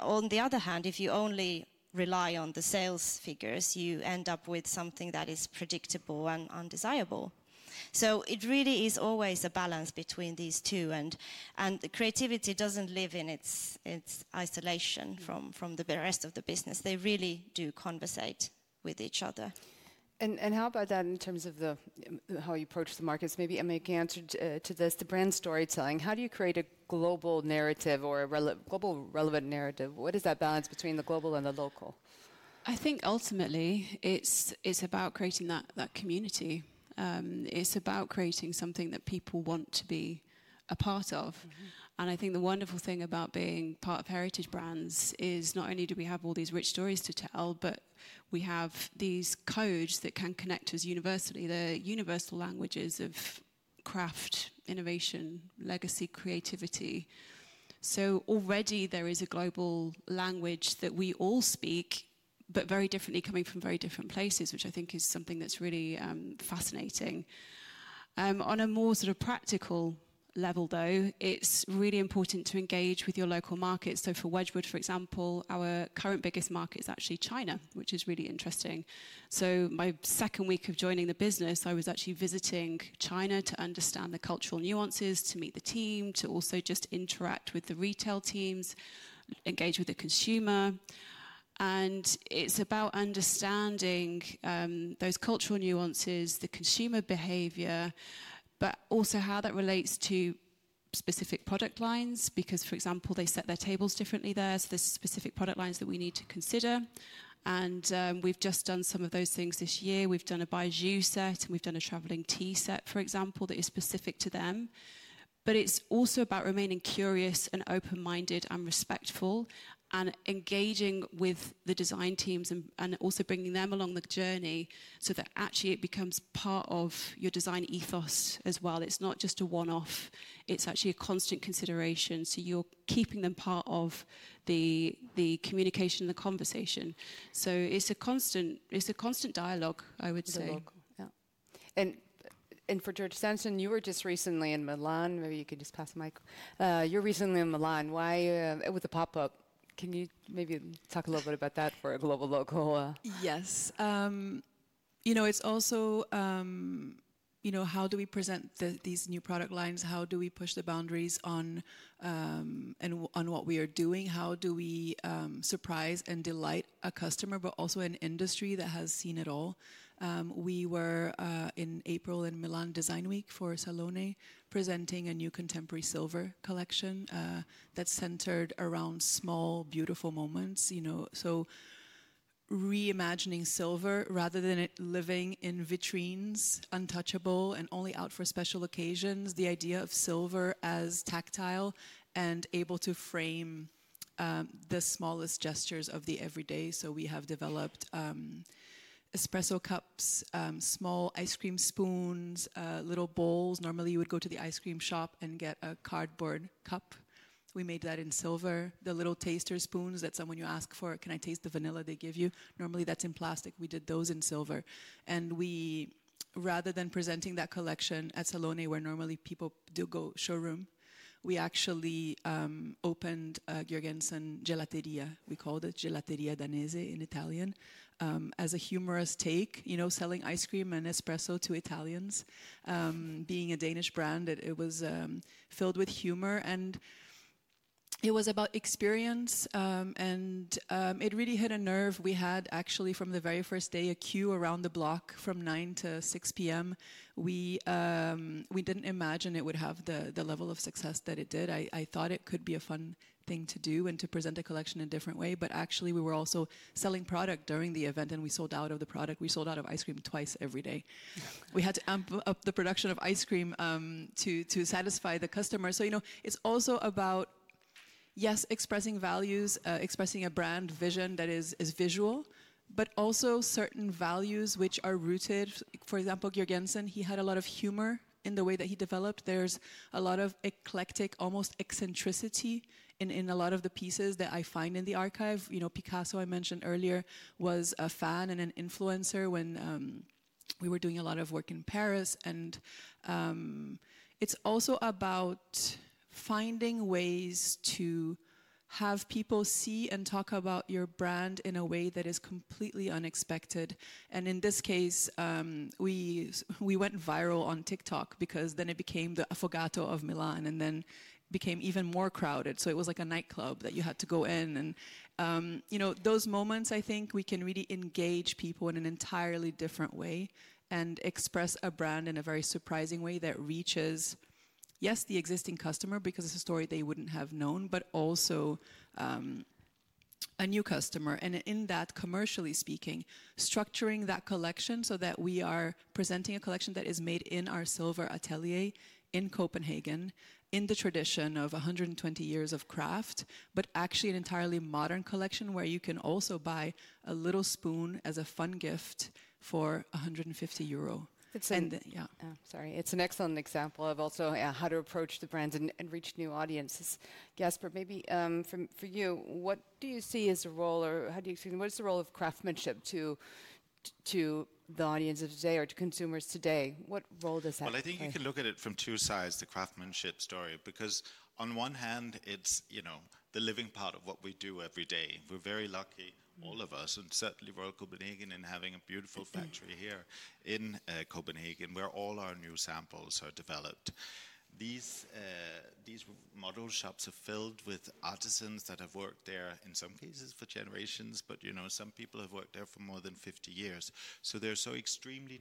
On the other hand, if you only rely on the sales figures, you end up with something that is predictable and undesirable. It really is always a balance between these two. Creativity does not live in its isolation from the rest of the business. They really do conversate with each other. How about that in terms of how you approach the markets? Maybe Janni can answer to this, the brand storytelling. How do you create a global narrative or a globally relevant narrative? What is that balance between the global and the local? I think ultimately, it is about creating that community. It is about creating something that people want to be a part of. I think the wonderful thing about being part of heritage brands is not only do we have all these rich stories to tell, but we have these codes that can connect us universally. They are universal languages of craft, innovation, legacy, creativity. Already, there is a global language that we all speak, but very differently coming from very different places, which I think is something that's really fascinating. On a more sort of practical level, though, it's really important to engage with your local markets. For Wedgwood, for example, our current biggest market is actually China, which is really interesting. My second week of joining the business, I was actually visiting China to understand the cultural nuances, to meet the team, to also just interact with the retail teams, engage with the consumer. It's about understanding those cultural nuances, the consumer behavior, but also how that relates to specific product lines. For example, they set their tables differently there. There are specific product lines that we need to consider. We've just done some of those things this year. We've done a Bijou set, and we've done a traveling tea set, for example, that is specific to them. It is also about remaining curious and open-minded and respectful and engaging with the design teams and also bringing them along the journey so that actually it becomes part of your design ethos as well. It is not just a one-off. It is actually a constant consideration. You are keeping them part of the communication and the conversation. It is a constant dialogue, I would say. And for Georg Jensen, you were just recently in Milan. Maybe you can just pass the mic. You are recently in Milan. Why with the pop-up? Can you maybe talk a little bit about that for a global local? Yes. It is also how do we present these new product lines? How do we push the boundaries on what we are doing? How do we surprise and delight a customer, but also an industry that has seen it all? We were in April in Milan Design Week for Salone, presenting a new contemporary silver collection that's centered around small, beautiful moments. Reimagining silver rather than it living in vitrines, untouchable and only out for special occasions, the idea of silver as tactile and able to frame the smallest gestures of the everyday. We have developed espresso cups, small ice cream spoons, little bowls. Normally, you would go to the ice cream shop and get a cardboard cup. We made that in silver. The little taster spoons that someone, you ask for, can I taste the vanilla, they give you? Normally, that's in plastic. We did those in silver. Rather than presenting that collection at Salone, where normally people do go showroom, we actually opened a Georg Jensen Gelateria. We called it Gelateria Danese in Italian as a humorous take, selling ice cream and espresso to Italians. Being a Danish brand, it was filled with humor. It was about experience. It really hit a nerve. We had actually from the very first day a queue around the block from 9:00 A.M. to 6:00 P.M. We did not imagine it would have the level of success that it did. I thought it could be a fun thing to do and to present a collection in a different way. Actually, we were also selling product during the event, and we sold out of the product. We sold out of ice cream twice every day. We had to amp up the production of ice cream to satisfy the customer. It is also about, yes, expressing values, expressing a brand vision that is visual, but also certain values which are rooted. For example, Georg Jensen, he had a lot of humor in the way that he developed. There's a lot of eclectic, almost eccentricity in a lot of the pieces that I find in the archive. Picasso, I mentioned earlier, was a fan and an influencer when we were doing a lot of work in Paris. It is also about finding ways to have people see and talk about your brand in a way that is completely unexpected. In this case, we went viral on TikTok because then it became the affogato of Milan and then became even more crowded. It was like a nightclub that you had to go in. Those moments, I think we can really engage people in an entirely different way and express a brand in a very surprising way that reaches, yes, the existing customer because it is a story they would not have known, but also a new customer. In that, commercially speaking, structuring that collection so that we are presenting a collection that is made in our silver atelier in Copenhagen in the tradition of 120 years of craft, but actually an entirely modern collection where you can also buy a little spoon as a fun gift for 150 euro. Yeah. Sorry. It is an excellent example of also how to approach the brands and reach new audiences. Jasper, maybe for you, what do you see as a role or how do you explain what is the role of craftsmanship to the audience of today or to consumers today? What role does that have? I think you can look at it from two sides, the craftsmanship story. Because on one hand, it's the living part of what we do every day. We're very lucky, all of us, and certainly Royal Copenhagen in having a beautiful factory here in Copenhagen where all our new samples are developed. These model shops are filled with artisans that have worked there in some cases for generations, but some people have worked there for more than 50 years. They're so extremely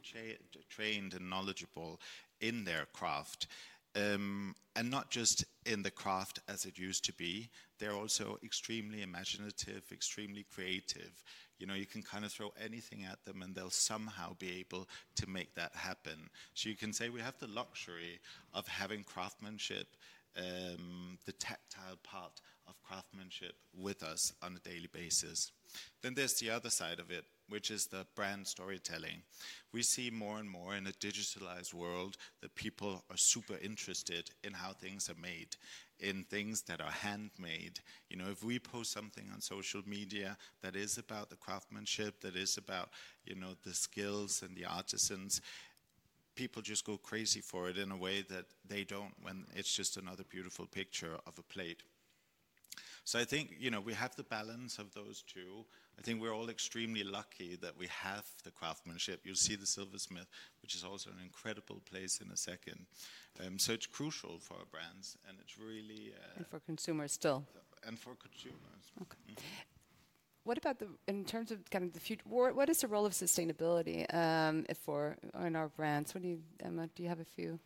trained and knowledgeable in their craft. And not just in the craft as it used to be. They're also extremely imaginative, extremely creative. You can kind of throw anything at them, and they'll somehow be able to make that happen. You can say we have the luxury of having craftsmanship, the tactile part of craftsmanship with us on a daily basis. There is the other side of it, which is the brand storytelling. We see more and more in a digitalized world that people are super interested in how things are made, in things that are handmade. If we post something on social media that is about the craftsmanship, that is about the skills and the artisans, people just go crazy for it in a way that they do not when it is just another beautiful picture of a plate. I think we have the balance of those two. I think we are all extremely lucky that we have the craftsmanship. You will see the silversmith, which is also an incredible place, in a second. It is crucial for our brands, and it is really. And for consumers still. And for consumers. Okay. What about in terms of kind of the future, what is the role of sustainability for our brands? Emma, do you have a few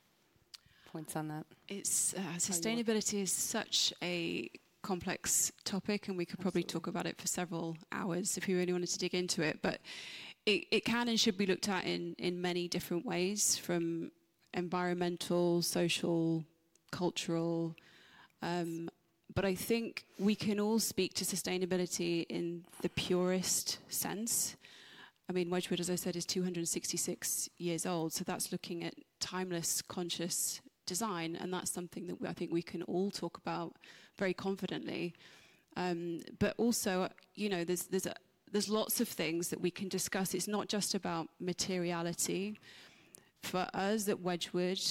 points on that? Sustainability is such a complex topic, and we could probably talk about it for several hours if you really wanted to dig into it. It can and should be looked at in many different ways from environmental, social, cultural. I think we can all speak to sustainability in the purest sense. I mean, Wedgwood, as I said, is 266 years old. That is looking at timeless, conscious design. That is something that I think we can all talk about very confidently. There are lots of things that we can discuss. It is not just about materiality. For us at Wedgwood,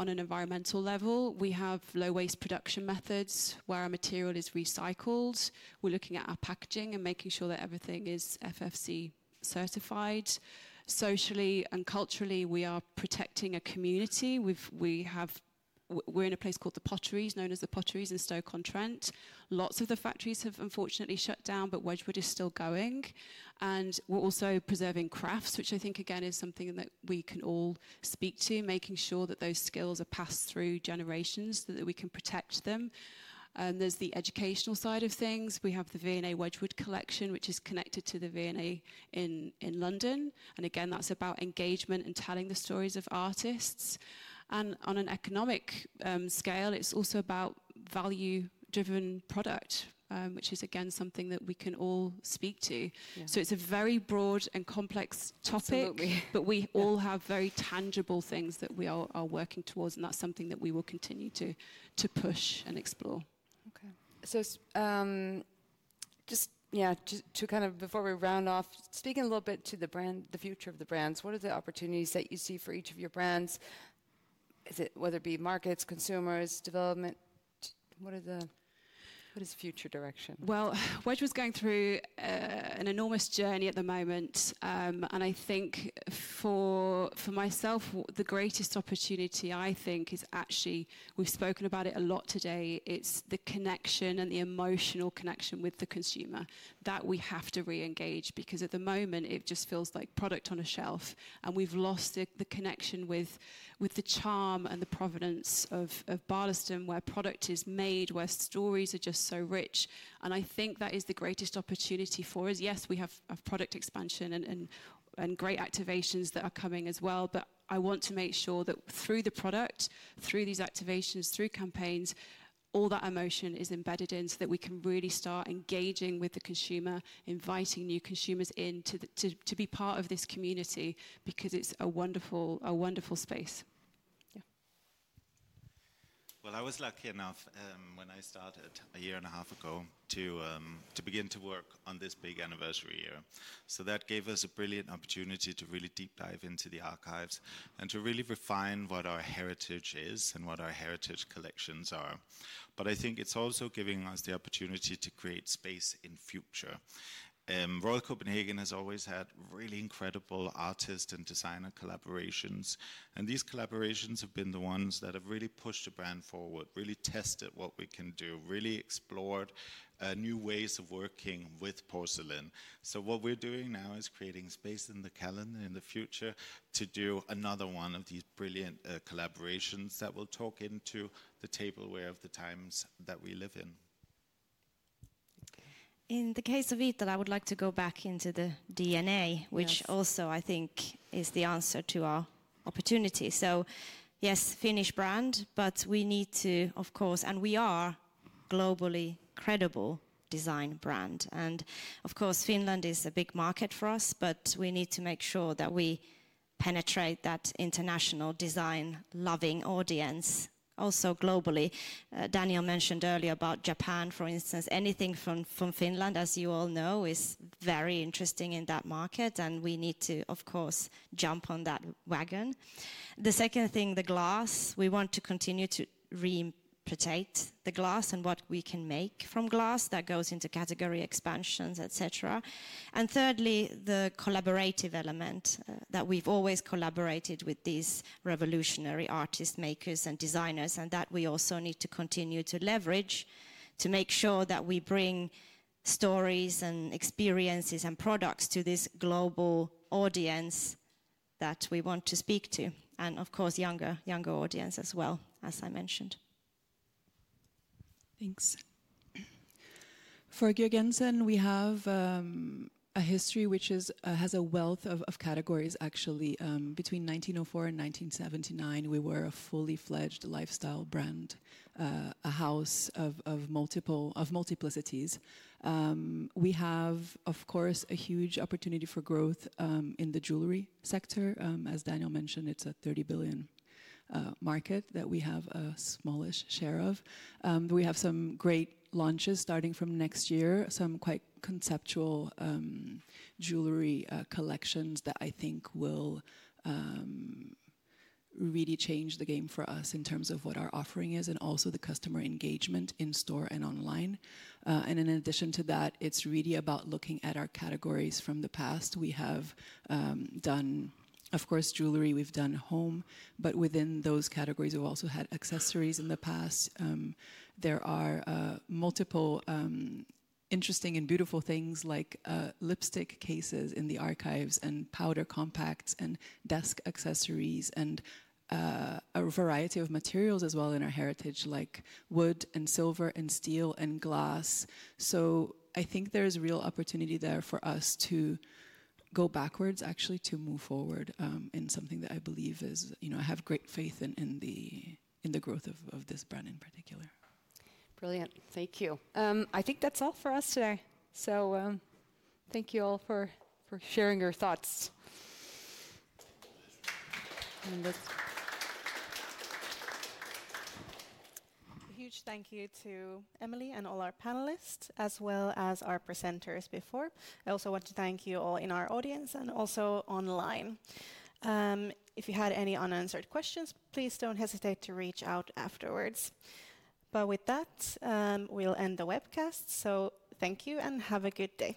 on an environmental level, we have low-waste production methods where our material is recycled. We are looking at our packaging and making sure that everything is FFC certified. Socially and culturally, we are protecting a community. We're in a place called the Potteries, known as the Potteries in Stoke-on-Trent. Lots of the factories have unfortunately shut down, but Wedgwood is still going. We're also preserving crafts, which I think, again, is something that we can all speak to, making sure that those skills are passed through generations so that we can protect them. There's the educational side of things. We have the V&A Wedgwood Collection, which is connected to the V&A in London. Again, that's about engagement and telling the stories of artists. On an economic scale, it's also about value-driven product, which is, again, something that we can all speak to. It's a very broad and complex topic, but we all have very tangible things that we are working towards. That's something that we will continue to push and explore. Okay. Just, yeah, to kind of before we round off, speaking a little bit to the future of the brands, what are the opportunities that you see for each of your brands? Whether it be markets, consumers, development, what is the future direction? Wedgwood's going through an enormous journey at the moment. I think for myself, the greatest opportunity, I think, is actually we've spoken about it a lot today. It's the connection and the emotional connection with the consumer that we have to reengage because at the moment, it just feels like product on a shelf. We've lost the connection with the charm and the provenance of Barlaston, where product is made, where stories are just so rich. I think that is the greatest opportunity for us. Yes, we have product expansion and great activations that are coming as well. I want to make sure that through the product, through these activations, through campaigns, all that emotion is embedded in so that we can really start engaging with the consumer, inviting new consumers in to be part of this community because it's a wonderful space. Yeah. I was lucky enough when I started a year and a half ago to begin to work on this big anniversary year. That gave us a brilliant opportunity to really deep dive into the archives and to really refine what our heritage is and what our heritage collections are. I think it's also giving us the opportunity to create space in the future. Royal Copenhagen has always had really incredible artist and designer collaborations. These collaborations have been the ones that have really pushed the brand forward, really tested what we can do, really explored new ways of working with porcelain. What we are doing now is creating space in the calendar in the future to do another one of these brilliant collaborations that will talk into the tableware of the times that we live in. In the case of Iittala, I would like to go back into the DNA, which also I think is the answer to our opportunity. Yes, Finnish brand, but we need to, of course, and we are a globally credible design brand. Finland is a big market for us, but we need to make sure that we penetrate that international design-loving audience also globally. Daniel mentioned earlier about Japan, for instance. Anything from Finland, as you all know, is very interesting in that market. We need to, of course, jump on that wagon. The second thing, the glass. We want to continue to re-importate the glass and what we can make from glass that goes into category expansions, etc. Thirdly, the collaborative element that we've always collaborated with these revolutionary artists, makers, and designers, and that we also need to continue to leverage to make sure that we bring stories and experiences and products to this global audience that we want to speak to. Of course, younger audience as well, as I mentioned. Thanks. For Georg Jensen, we have a history which has a wealth of categories, actually. Between 1904 and 1979, we were a fully fledged lifestyle brand, a house of multiplicities. We have, of course, a huge opportunity for growth in the jewelry sector. As Danielle mentioned, it's a $30 billion market that we have a smallish share of. We have some great launches starting from next year, some quite conceptual jewelry collections that I think will really change the game for us in terms of what our offering is and also the customer engagement in store and online. In addition to that, it's really about looking at our categories from the past. We have done, of course, jewelry. We've done home. Within those categories, we've also had accessories in the past. There are multiple interesting and beautiful things like lipstick cases in the archives and powder compacts and desk accessories and a variety of materials as well in our heritage like wood and silver and steel and glass. I think there is real opportunity there for us to go backwards, actually, to move forward in something that I believe is I have great faith in the growth of this brand in particular. Brilliant. Thank you. I think that's all for us today. Thank you all for sharing your thoughts. Huge thank you to Emily and all our panelists, as well as our presenters before. I also want to thank you all in our audience and also online. If you had any unanswered questions, please do not hesitate to reach out afterwards. With that, we will end the webcast. Thank you and have a good day.